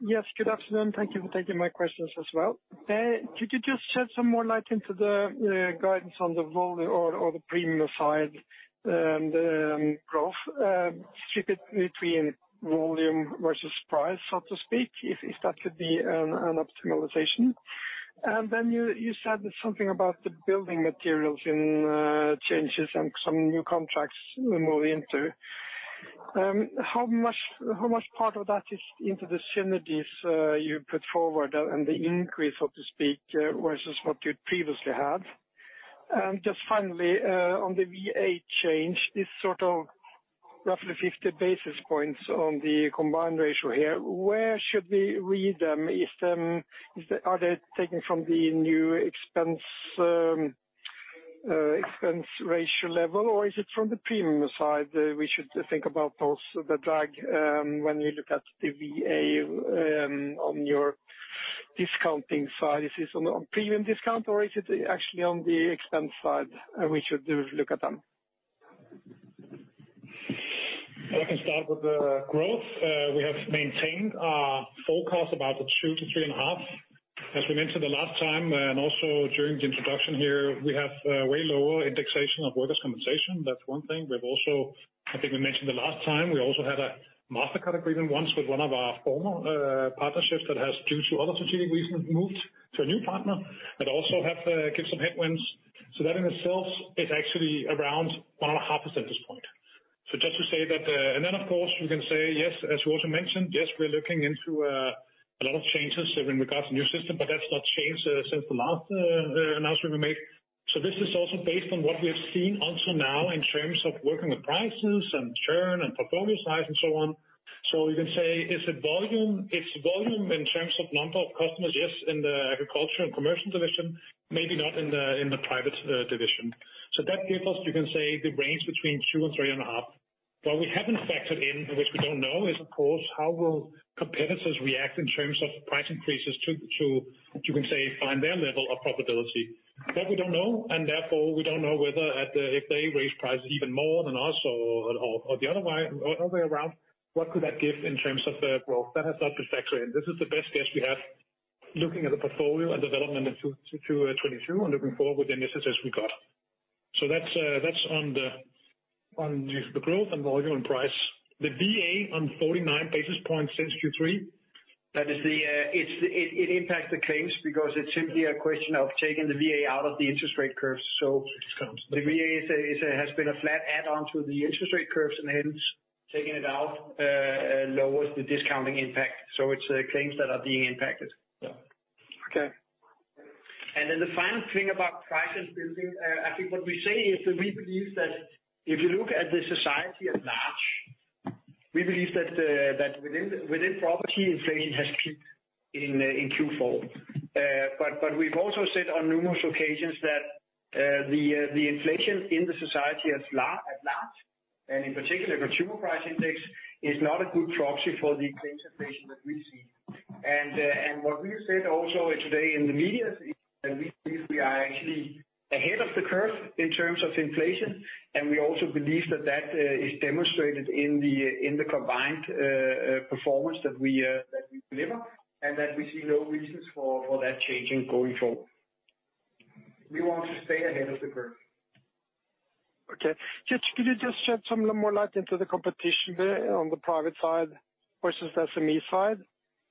Yes, good afternoon. Thank you for taking my questions as well. Could you just shed some more light into the guidance on the volume or the premium side, the growth? Strip it between volume versus price, so to speak, if that could be an optimization. Then you said something about the building materials in changes and some new contracts we move into. How much part of that is into the synergies you put forward and the increase, so to speak, versus what you previously had? Just finally, on the VA change, this sort of roughly 50 basis points on the combined ratio here, where should we read them? Are they taken from the new expense ratio level? Is it from the premium side that we should think about also the drag, when you look at the VA, on your discounting side? Is this on premium discount or is it actually on the expense side we should look at them? I can start with the growth. We have maintained our forecast about the 2 to 3.5. As we mentioned the last time, and also during the introduction here, we have way lower indexation of workers' compensation. That's one thing. We've also, I think we mentioned the last time, we also had a Mastercard agreement once with one of our former partnerships that has, due to other strategic reasons, moved to a new partner, that also have give some headwinds. So that in itself is actually around 1.5 percentage point. Just to say that, and then of course, we can say yes, as you also mentioned, yes, we are looking into a lot of changes in regards to new system, but that's not changed since the last announcement we made. This is also based on what we have seen until now in terms of working with prices and churn and portfolio size and so on. You can say is it volume? It's volume in terms of number of customers, yes, in the agriculture and commercial division, maybe not in the private division. That gives us, you can say, the range between 2 and 3 and a half. What we haven't factored in, which we don't know, is of course how will competitors react in terms of price increases to, you can say, find their level of profitability. That we don't know, therefore we don't know whether if they raise prices even more than us or the other way around, what could that give in terms of the growth. That has not been factored in. This is the best guess we have looking at the portfolio and development in 2022 and looking forward with initiatives we got. That's on the growth and volume and price. The VA on 49 basis points since Q3. That is the, it impacts the claims because it's simply a question of taking the VA out of the interest rate curves. The VA is a has been a flat add-on to the interest rate curves, and hence taking it out, lowers the discounting impact. It's the claims that are being impacted. Yeah. Okay. The final thing about price and building, I think what we say is that we believe that if you look at the society at large, we believe that within property inflation has peaked in Q4. We've also said on numerous occasions that the inflation in the society at large, and in particular Consumer Price Index, is not a good proxy for the claims inflation that we see. What we have said also today in the media is that we believe we are actually ahead of the curve in terms of inflation, and we also believe that that is demonstrated in the combined performance that we deliver, and that we see no reasons for that changing going forward. We want to stay ahead of the curve. Okay. Could you just shed some more light into the competition there on the private side versus SME side?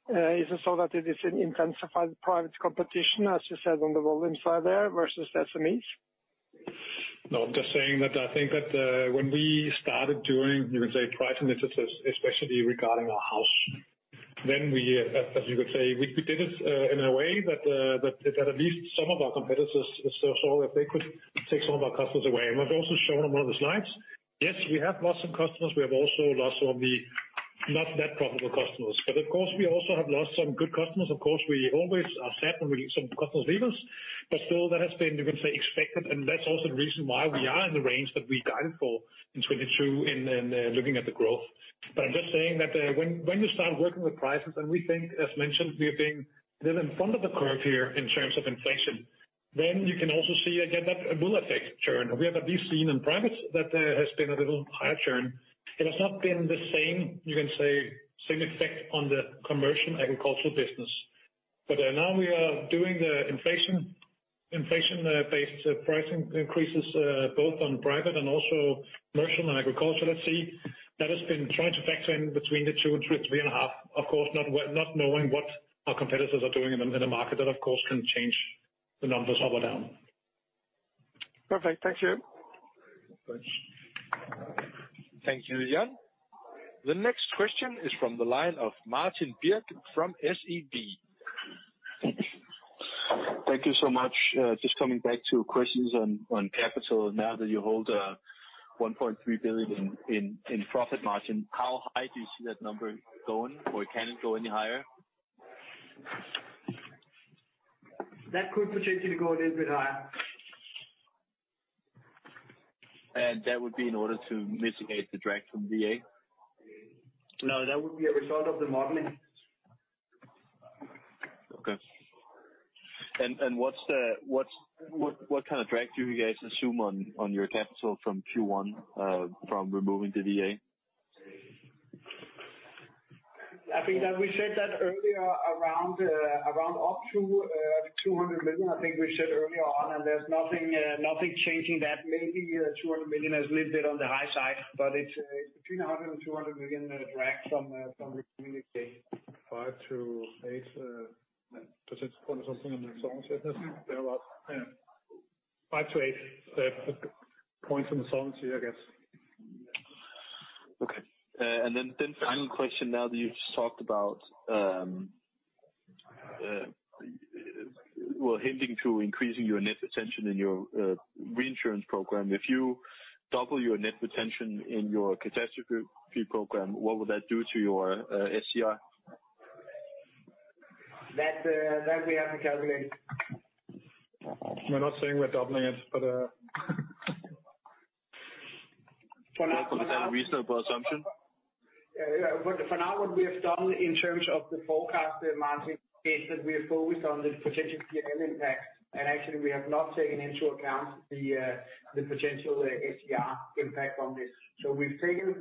Is it so that it is an intensified private competition, as you said on the volume side there versus SMEs? No, I'm just saying that I think that, when we started doing, you can say price initiatives, especially regarding our house, then we, as you could say, we did it, in a way that at least some of our competitors saw if they could take some of our customers away. We've also shown on one of the slides, yes, we have lost some customers. We have also lost some of the not that profitable customers. Of course, we also have lost some good customers. Of course, we always are sad when we some customers leave us, but still that has been, you can say, expected, and that's also the reason why we are in the range that we guided for in 2022 in looking at the growth. I'm just saying that, when you start working with prices, and we think, as mentioned, we are being a little in front of the curve here in terms of inflation, then you can also see again that a bull effect churn. We have at least seen in private that there has been a little higher churn. It has not been the same, you can say, effect on the commercial agricultural business. Now we are doing the inflation-based pricing increases, both on private and also commercial and agricultural at sea. That has been trying to factor in between 2% and 3%, 3.5%. Of course, not knowing what our competitors are doing in the market. That, of course, can change the numbers up or down. Perfect. Thank you. Thanks. Thank you, Jan Erik. The next question is from the line of Martin Birk from SEB. Thank you so much. Just coming back to questions on capital. Now that you hold 1.3 billion in profit margin, how high do you see that number going, or can it go any higher? That could potentially go a little bit higher. That would be in order to mitigate the drag from VA? No, that would be a result of the modeling. Okay. What kind of drag do you guys assume on your capital from Q1 from removing the VA? I think that we said that earlier around up to, 200 million, I think we said earlier on. There's nothing changing that. Maybe 200 million is a little bit on the high side, but it's between 100 million and 200 million drag from the communicate. 5 to8 percent point or something on the solvency. Mm-hmm. Thereabout. Yeah. 5 to 8 points on the solvency, I guess. Okay. Final question now that you've talked about, hinting to increasing your net retention in your reinsurance program. If you double your net retention in your catastrophe program, what would that do to your SCR? That, that we haven't calculated. We're not saying we're doubling it, but. Well, for that reasonable assumption. For now, what we have done in terms of the forecast, Martin, is that we are focused on the potential P&L impact, and actually we have not taken into account the potential SCR impact on this. We've taken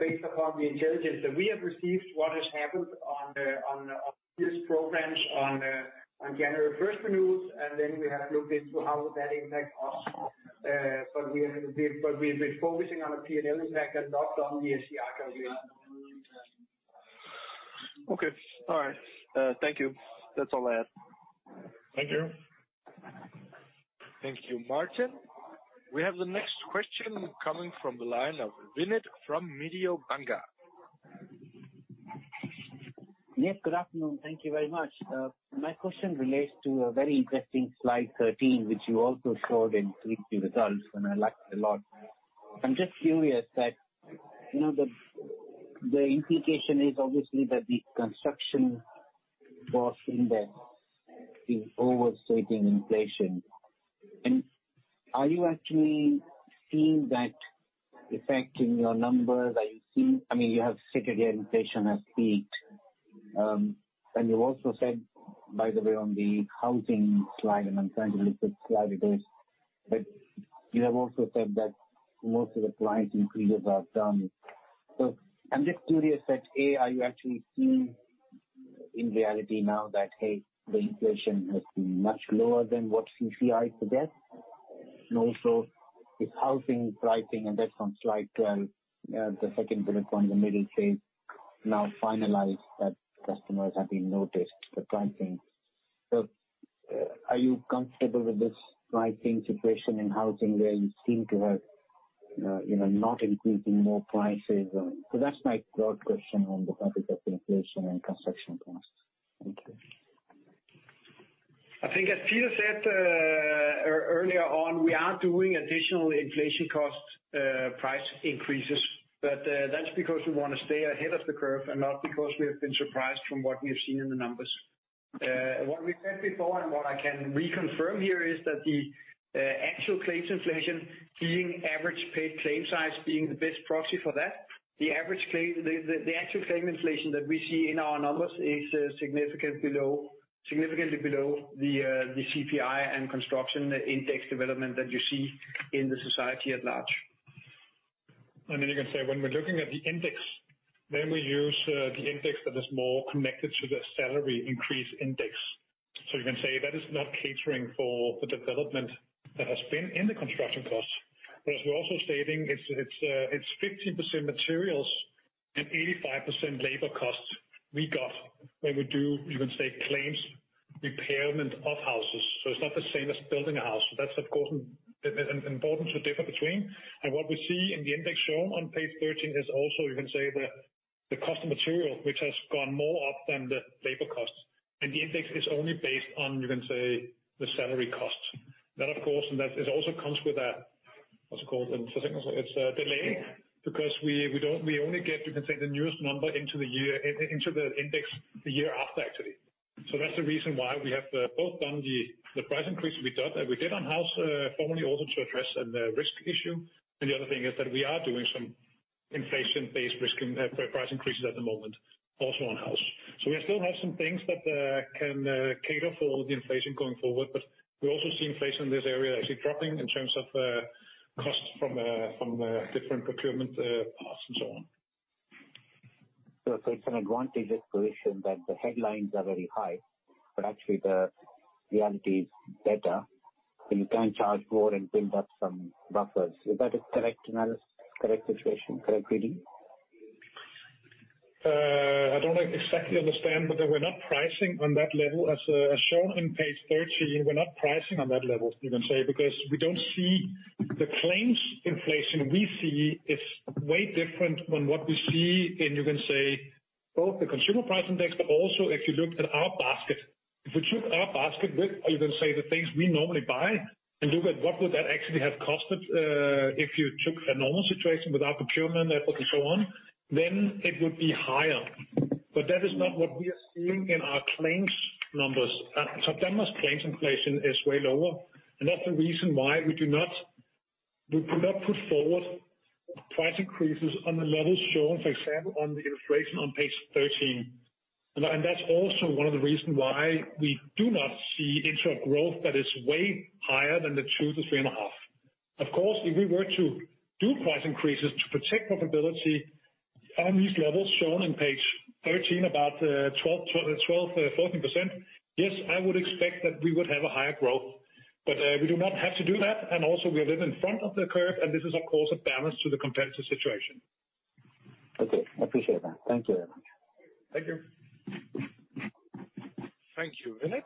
based upon the intelligence that we have received, what has happened on the, on these programs on January first renewals, and then we have looked into how would that impact us. We've been focusing on a P&L impact and not done the SCR calculation. Okay. All right. Thank you. That's all I had. Thank you. Thank you, Martin. We have the next question coming from the line of Vinit from Mediobanca. Yes, good afternoon. Thank you very much. My question relates to a very interesting slide 13, which you also showed in three key results, and I liked it a lot. I'm just curious that, you know, the implication is obviously that the construction cost index is overstating inflation. Are you actually seeing that effect in your numbers? I mean, you have stated your inflation as eight. You also said, by the way, on the housing slide, and I'm trying to look which slide it is, but you have also said that most of the price increases are done. I'm just curious that, A, are you actually seeing in reality now that, hey, the inflation has been much lower than what CPI suggests? Also if housing pricing, and that's on slide 12, the second bullet point in the middle says, now finalized, that customers have been noticed the pricing. Are you comfortable with this pricing situation in housing where you seem to have, you know, not increasing more prices? That's my broad question on the topic of inflation and construction costs. Thank you. I think as Peter said, earlier on, we are doing additional inflation cost, price increases. That's because we want to stay ahead of the curve and not because we have been surprised from what we've seen in the numbers. What we said before and what I can reconfirm here is that the actual claims inflation, seeing average paid claim size being the best proxy for that, the actual claim inflation that we see in our numbers is significantly below the CPI and construction index development that you see in the society at large. You can say when we're looking at the index, then we use the index that is more connected to the salary increase index. You can say that is not catering for the development that has been in the construction cost. As we're also stating, it's, it's 50% materials and 85% labor costs we got when we do, you can say, claims, repairment of houses. It's not the same as building a house. That's of course important to differ between. What we see in the index shown on page 13 is also, you can say the cost of material, which has gone more up than the labor costs. The index is only based on, you can say, the salary cost. That of course, and that it also comes with a, what's it called? It's a delay because we only get, you can say, the newest number into the index the year after actually. That's the reason why we have both done the price increase we did on house formerly also to address a risk issue. The other thing is that we are doing some inflation-based risk price increases at the moment also on house. We still have some things that can cater for the inflation going forward, but we also see inflation in this area actually dropping in terms of costs from from different procurement paths and so on. It's an advantageous position that the headlines are very high, but actually the reality is better, so you can charge more and build up some buffers. Is that a correct analysis, correct situation, correct reading? I don't exactly understand, but we're not pricing on that level. As, as shown on page 13, we're not pricing on that level, you can say, because we don't see the claims inflation we see is way different than what we see in, you can say, both the Consumer Price Index, but also if you look at our basket. If you took our basket with, you can say, the things we normally buy and look at what would that actually have costed, if you took a normal situation with our procurement network and so on, then it would be higher. That is not what we are seeing in our claims numbers. September's claims inflation is way lower, and that's the reason why we could not put forward price increases on the levels shown, for example, on the inflation on page 13. That's also one of the reasons why we do not see interim growth that is way higher than the 2% to 3.5%. Of course, if we were to do price increases to protect profitability on these levels shown on page 13, about 12%, 14%, yes, I would expect that we would have a higher growth. We do not have to do that. Also we live in front of the curve, and this is of course a balance to the competitive situation. Okay. Appreciate that. Thank you very much. Thank you. Thank you, Vinit.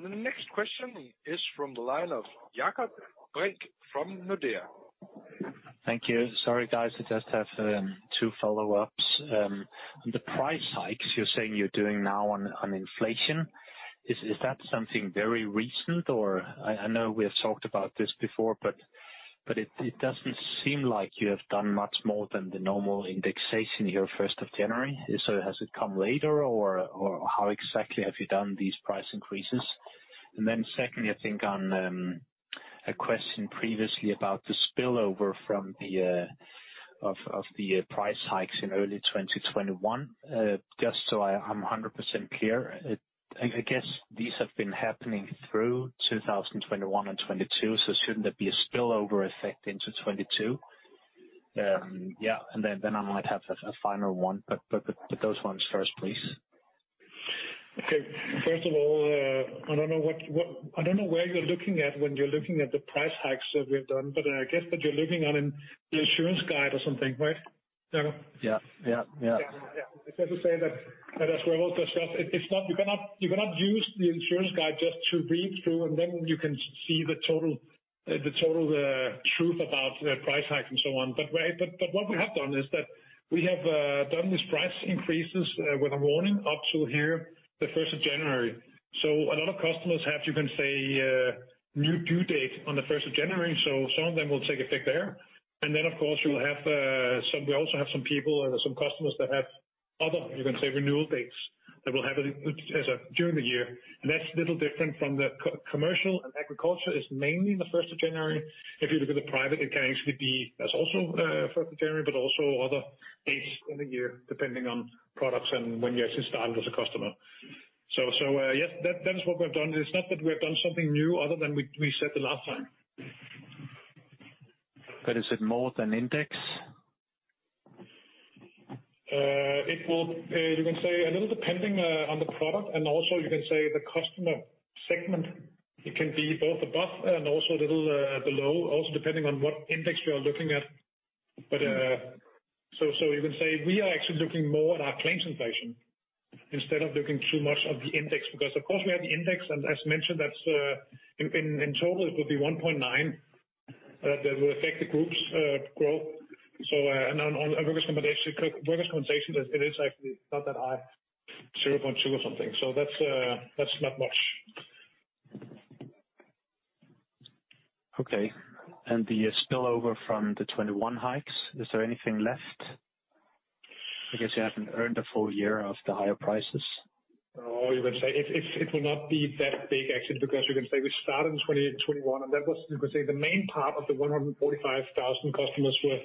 The next question is from the line of Jakob Brink from Nordea. Thank you. Sorry, guys, I just have two follow-ups. On the price hikes you're saying you're doing now on inflation, is that something very recent? Or I know we have talked about this before, but it doesn't seem like you have done much more than the normal indexation here first of January. Has it come later or how exactly have you done these price increases? Secondly, I think on a question previously about the spillover from the of the price hikes in early 2021. Just so I'm 100% clear, I guess these have been happening through 2021 and 2022, so shouldn't there be a spillover effect into 2022? Yeah. Then I might have a final one, but those ones first, please. Okay. First of all, I don't know where you're looking at when you're looking at the price hikes that we have done, but I guess that you're looking on in the insurance guide or something, right? Jakob? Yeah. Yeah. Yeah. Yeah. It's fair to say that as Revolut just said, it's not you cannot use the insurance guide just to read through, and then you can see the total truth about the price hike and so on. What we have done is that we have done these price increases with a warning up to here the 1st of January. A lot of customers have, you can say, new due date on the 1st of January, so some of them will take effect there. Of course, you will have. We also have some people or some customers that have other, you can say, renewal dates that will have it as a during the year. That's a little different from the commercial and agriculture is mainly the first of January. If you look at the private, it can actually be as also, 1st of January, but also other dates in the year, depending on products and when you actually started as a customer. Yes, that is what we've done. It's not that we have done something new other than we said the last time. Is it more than index? It will, you can say a little depending on the product, and also you can say the customer segment. It can be both above and also a little below, also depending on what index you are looking at. You can say we are actually looking more at our claims inflation instead of looking too much of the index. Because of course, we have the index, and as mentioned, that's in total it will be 1.9% that will affect the group's growth. On workers' compensation, it is actually not that high, 0.2% or something. That's not much. Okay. The spillover from the 21 hikes, is there anything left? I guess you haven't earned the full-year of the higher prices. You can say it will not be that big actually because you can say we started in 2021. That was, you could say the main part of the 145,000 customers were,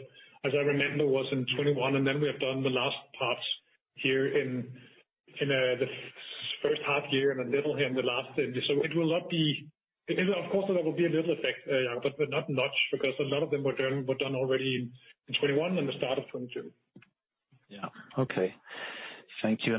as I remember, was in 2021. Then we have done the last parts here in the first half year and a little in the last. It will not be. It will of course there will be a little effect, yeah, but not much because a lot of them were done already in 2021 and the start of 2022. Yeah. Okay. Thank you.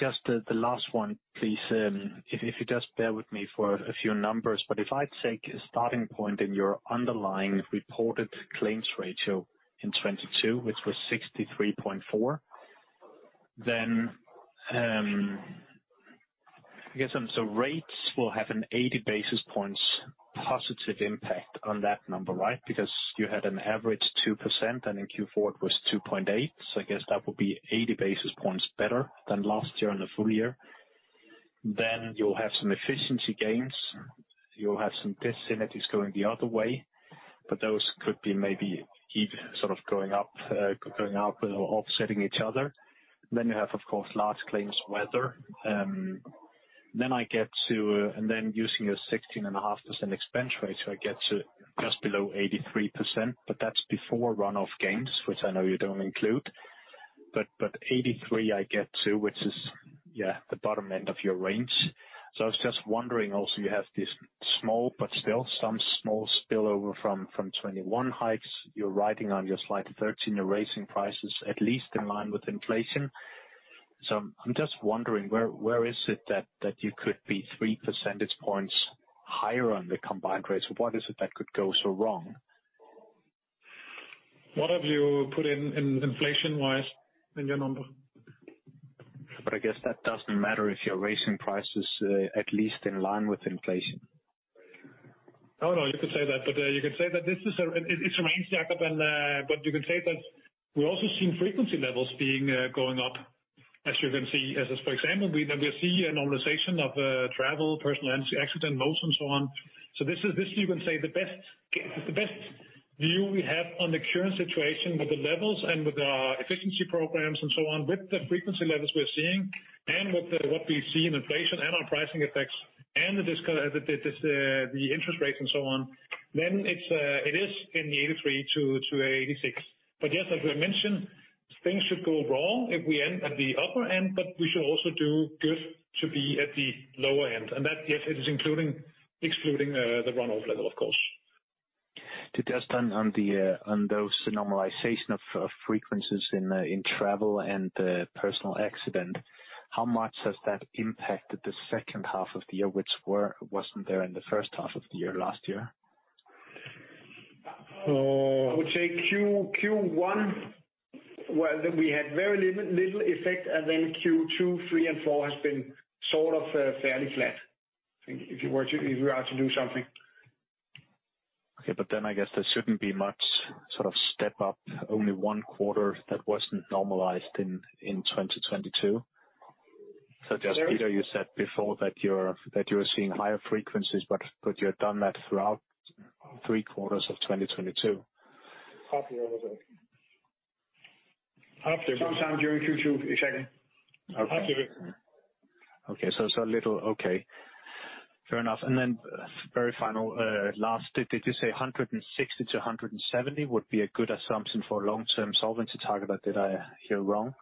Just the last one, please, if you just bear with me for a few numbers, but if I take a starting point in your underlying reported claims ratio in 2022, which was 63.4, then I guess so rates will have an 80 basis points positive impact on that number, right? Because you had an average 2%, and in Q4 it was 2.8. I guess that would be 80 basis points better than last year on the full-year. You'll have some efficiency gains. You'll have some disparities going the other way. Those could be maybe even sort of going up or offsetting each other. You have, of course, large claims weather. Then using a 16.5% expense ratio, I get to just below 83%. That's before run-off gains, which I know you don't include. 83 I get to, which is, yeah, the bottom end of your range. I was just wondering also, you have this small, but still some small spillover from 21 hikes. You're writing on your slide 13, you're raising prices at least in line with inflation. I'm just wondering where is it that you could be 3 percentage points higher on the combined rates? What is it that could go so wrong? What have you put in inflation-wise in your number? I guess that doesn't matter if you're raising prices, at least in line with inflation. Oh, no, you could say that. You could say that this is, it remains, Jakob, and but you can say that we're also seeing frequency levels being going up, as you can see. As is for example, we see a normalization of travel, personal accident, most and so on. This is you can say the best view we have on the current situation with the levels and with our efficiency programs and so on, with the frequency levels we're seeing and with what we see in inflation and our pricing effects and this, the interest rates and so on, then it is in the 83%-86%. Yes, as we mentioned, things should go wrong if we end at the upper end, but we should also do good to be at the lower end. That, yes, it is including excluding the run-off level, of course. To just on the, on those normalization of frequencies in travel and personal accident, how much has that impacted the second half of the year, which wasn't there in the first half of the year last year? I would say Q1, well, we had very little effect, and then Q2, Q3 and Q4 has been sort of, fairly flat. If you were to do something. I guess there shouldn't be much sort of step up, only one quarter that wasn't normalized in 2022. Just, Peter, you said before that you're, that you're seeing higher frequencies, but you had done that throughout three quarters of 2022. Half a year ago. Up to sometime during Q2. Exactly. Okay. Half of it. Little. Fair enough. Very final, last, did you say 160-170 would be a good assumption for long-term solvency target, or did I hear wrong?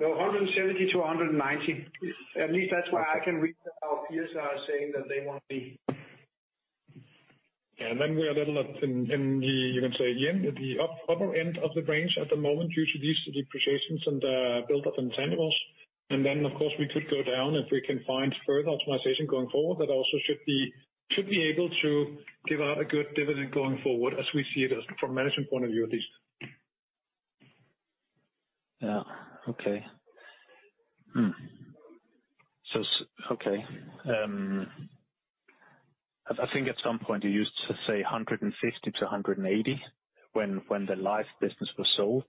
No, 170 to 190. At least that's what I can read our peers are saying that they want to be. Yeah. Then we are a little up in the, you can say again, at the upper end of the range at the moment due to these depreciations and build up in tangibles. Then, of course, we could go down if we can find further optimization going forward. That also should be able to give out a good dividend going forward as we see it as from management point of view at least. Yeah. Okay. okay. I think at some point you used to say 150-180 when the life business was sold.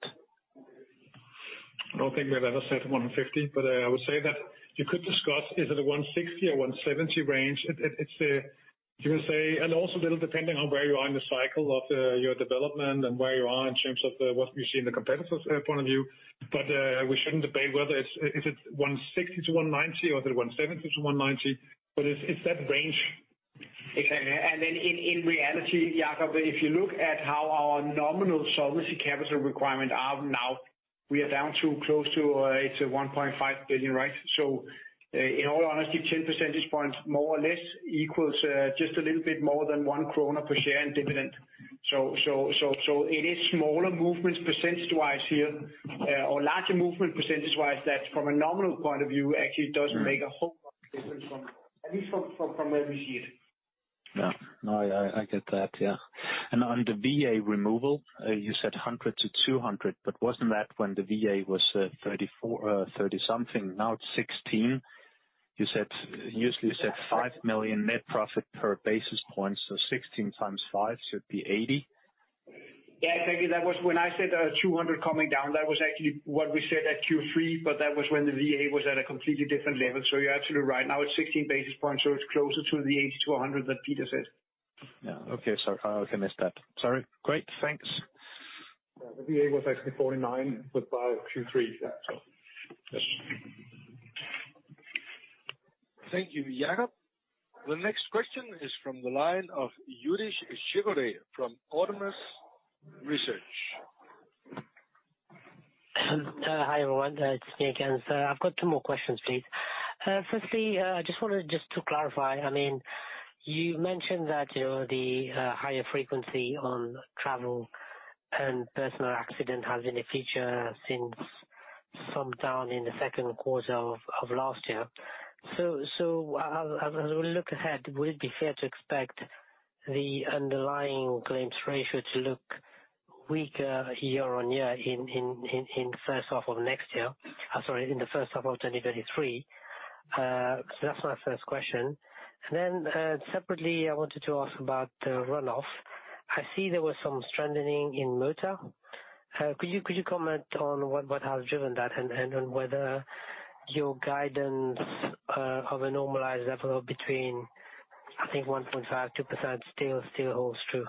I don't think we've ever said 150, but I would say that you could discuss is it a 160 or 170 range. It's a, you can say, and also a little depending on where you are in the cycle of your development and where you are in terms of what you see in the competitive point of view. But we shouldn't debate whether it's, if it's 160-190 or is it 170-190, but it's that range. Exactly. In reality, Jakob, if you look at how our nominal solvency capital requirement are now, we are down to close to it's 1.5 billion, right? In all honesty, 10 percentage points more or less equals just a little bit more than 1 kroner per share in dividend. It is smaller movements percentage wise here, or larger movement percentage wise that from a nominal point of view actually doesn't make a whole lot of difference from at least from where we sit. Yeah. No, I get that. Yeah. On the VA removal, you said 100 million-200 million, wasn't that when the VA was 34, 30 something? Now it's 16. You said, usually you said 5 million net profit per basis point, so 16 times five should be 80 million. Yeah, exactly. That was when I said, 200 coming down. That was actually what we said at Q3, but that was when the VA was at a completely different level. You're absolutely right. Now it's 16 basis points, so it's closer to the 80 to 100 that Peter said. Yeah. Okay. Sorry, I missed that. Sorry. Great. Thanks. The VA was actually 49 with by Q3. Yeah. Thank you, Jakob. The next question is from the line of Yudish Jewoet from Autonomous Research. Hi, everyone. It's me again. I've got two more questions, please. Firstly, I just wanted to clarify, I mean, you mentioned that, you know, the higher frequency on travel and personal accident has been a feature since some time in the second quarter of last year. As we look ahead, would it be fair to expect the underlying claims ratio to look weaker year-on-year in first half of next year? Sorry, in the first half of 2023. That's my first question. Separately, I wanted to ask about the run-off. I see there was some strengthening in motor. could you comment on what has driven that and on whether your guidance of a normalized level between, I think 1.5%-2% still holds true?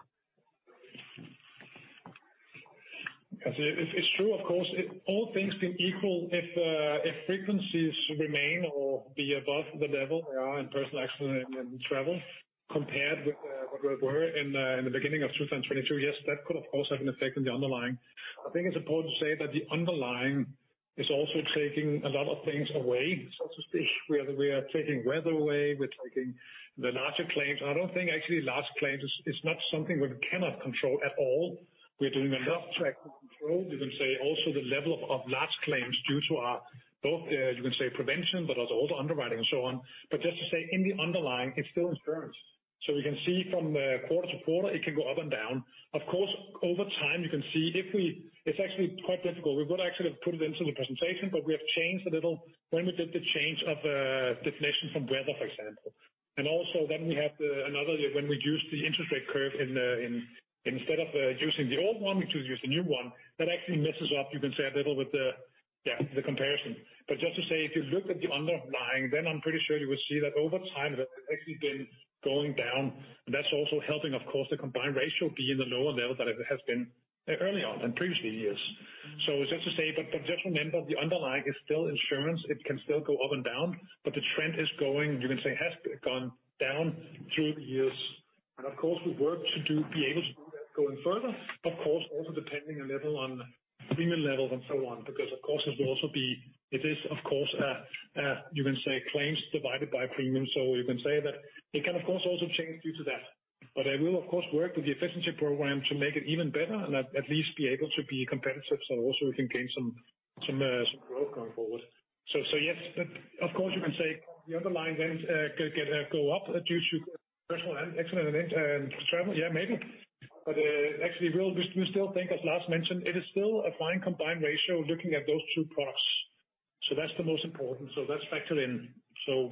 It's true, of course. All things being equal, if frequencies remain or be above the level they are in personal accident and travel compared with what we were in the beginning of 2022, yes, that could of course have an effect on the underlying. I think it's important to say that the underlying is also taking a lot of things away, so to speak. We are taking weather away. We're taking the larger claims. I don't think actually large claims is not something we cannot control at all. We're doing a lot to actually control. You can say also the level of large claims due to our both, you can say prevention, but also all the underwriting and so on. But just to say in the underlying it's still insurance. We can see from quarter-to-quarter it can go up and down. Of course, over time you can see if it's actually quite difficult. We would actually have put it into the presentation, but we have changed a little when we did the change of definition from weather, for example. Also then we have another when we use the interest rate curve in instead of using the old one, we choose to use the new one. That actually messes up, you can say a little with the comparison. Just to say, if you look at the underlying then I'm pretty sure you will see that over time it has actually been going down. That's also helping of course the combined ratio be in the lower level that it has been early on in previous years. Just to say, but just remember the underlying is still insurance. It can still go up and down, but the trend is going, you can say has gone down through the years. Of course we work to do, be able to do that going further. Of course also depending a level on premium levels and so on. Of course it will also be, it is of course you can say claims divided by premium. You can say that it can of course also change due to that. I will of course work with the efficiency program to make it even better and at least be able to be competitive. Also we can gain some growth going forward. Yes, of course you can say the underlying then, can go up due to personal and accident and travel. Yeah, maybe. Actually we still think as Lars mentioned, it is still a fine combined ratio looking at those two products. That's the most important. That's factored in.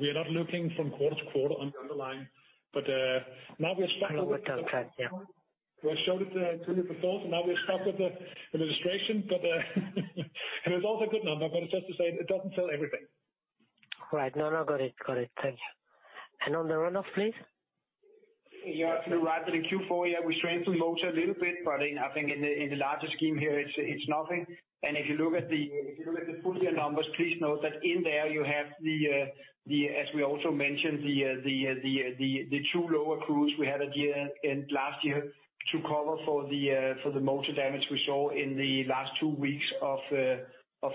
We are not looking from quarter-to-quarter on the underlying, but now we're stuck. Okay. Yeah. We showed it to you before. Now we're stuck with the registration. It's also a good number. It's just to say it doesn't tell everything. Right. No, no. Got it. Got it. Thank you. On the run-off, please. You're right that in Q4, we strengthened motor a little bit. I think in the larger scheme here it's nothing. If you look at the full-year numbers, please note that in there you have the as we also mentioned the true-up accruals we had at year-end last year to cover for the motor damage we saw in the last two weeks of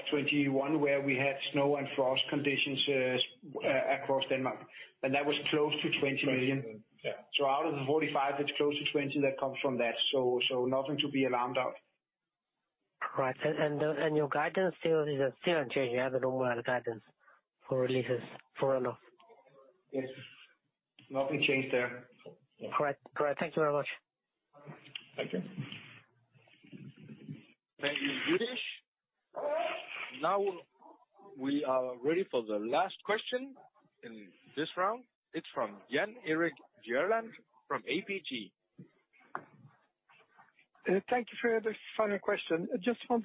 2021 where we had snow and frost conditions across Denmark. That was close to 20 million. Yeah. Out of the 45 it's close to 20 that comes from that. Nothing to be alarmed of. Right. Your guidance is still unchanged. You have the normal guidance for releases for run-off. Yes. Nothing changed there. Correct. Correct. Thank you very much. Thank you. Thank you, Youdish. Now we are ready for the last question in this round. It's from Jan Erik Gjerland from ABG. Thank you for the final question. On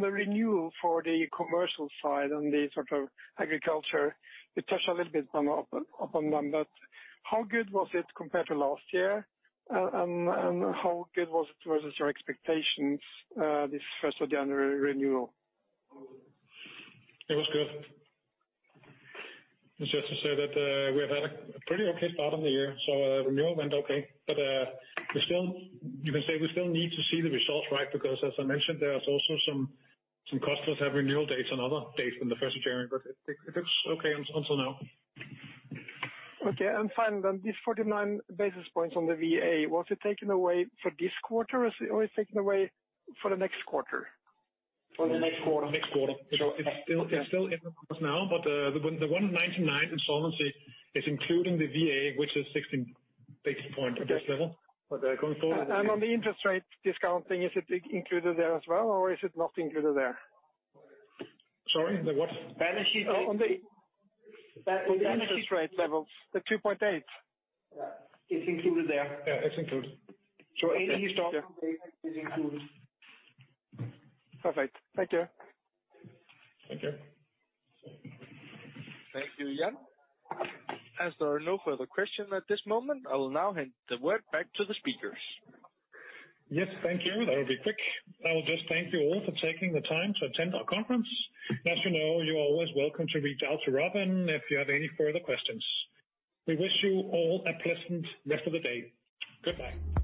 the renewal for the commercial side and the sort of agriculture, you touched a little bit upon them. How good was it compared to last year? And how good was it towards your expectations, this first of January renewal? It was good. Just to say that, we have had a pretty okay start of the year. Renewal went okay. We still need to see the results, right? As I mentioned, there is also some customers have renewal dates on other dates than the first of January, but it looks okay until now. Okay. Finally, these 49 basis points on the VA, was it taken away for this quarter or is it taken away for the next quarter? For the next quarter. Next quarter. It's still in the course now, but the one in 99 insolvency is including the VA, which is 16 basis points at this level. Going forward. On the interest rate discount thing, is it included there as well or is it not included there? Sorry, the what? Balance sheet. On the- Balance sheet. On the interest rate levels, the 2.8%. Yeah, it's included there. Yeah, it's included. So any stock- It's included. Perfect. Thank you. Thank you. Thank you, Jan. As there are no further questions at this moment, I will now hand the word back to the speakers. Yes, thank you. That'll be quick. I will just thank you all for taking the time to attend our conference. As you know, you're always welcome to reach out to Robin if you have any further questions. We wish you all a pleasant rest of the day. Goodbye.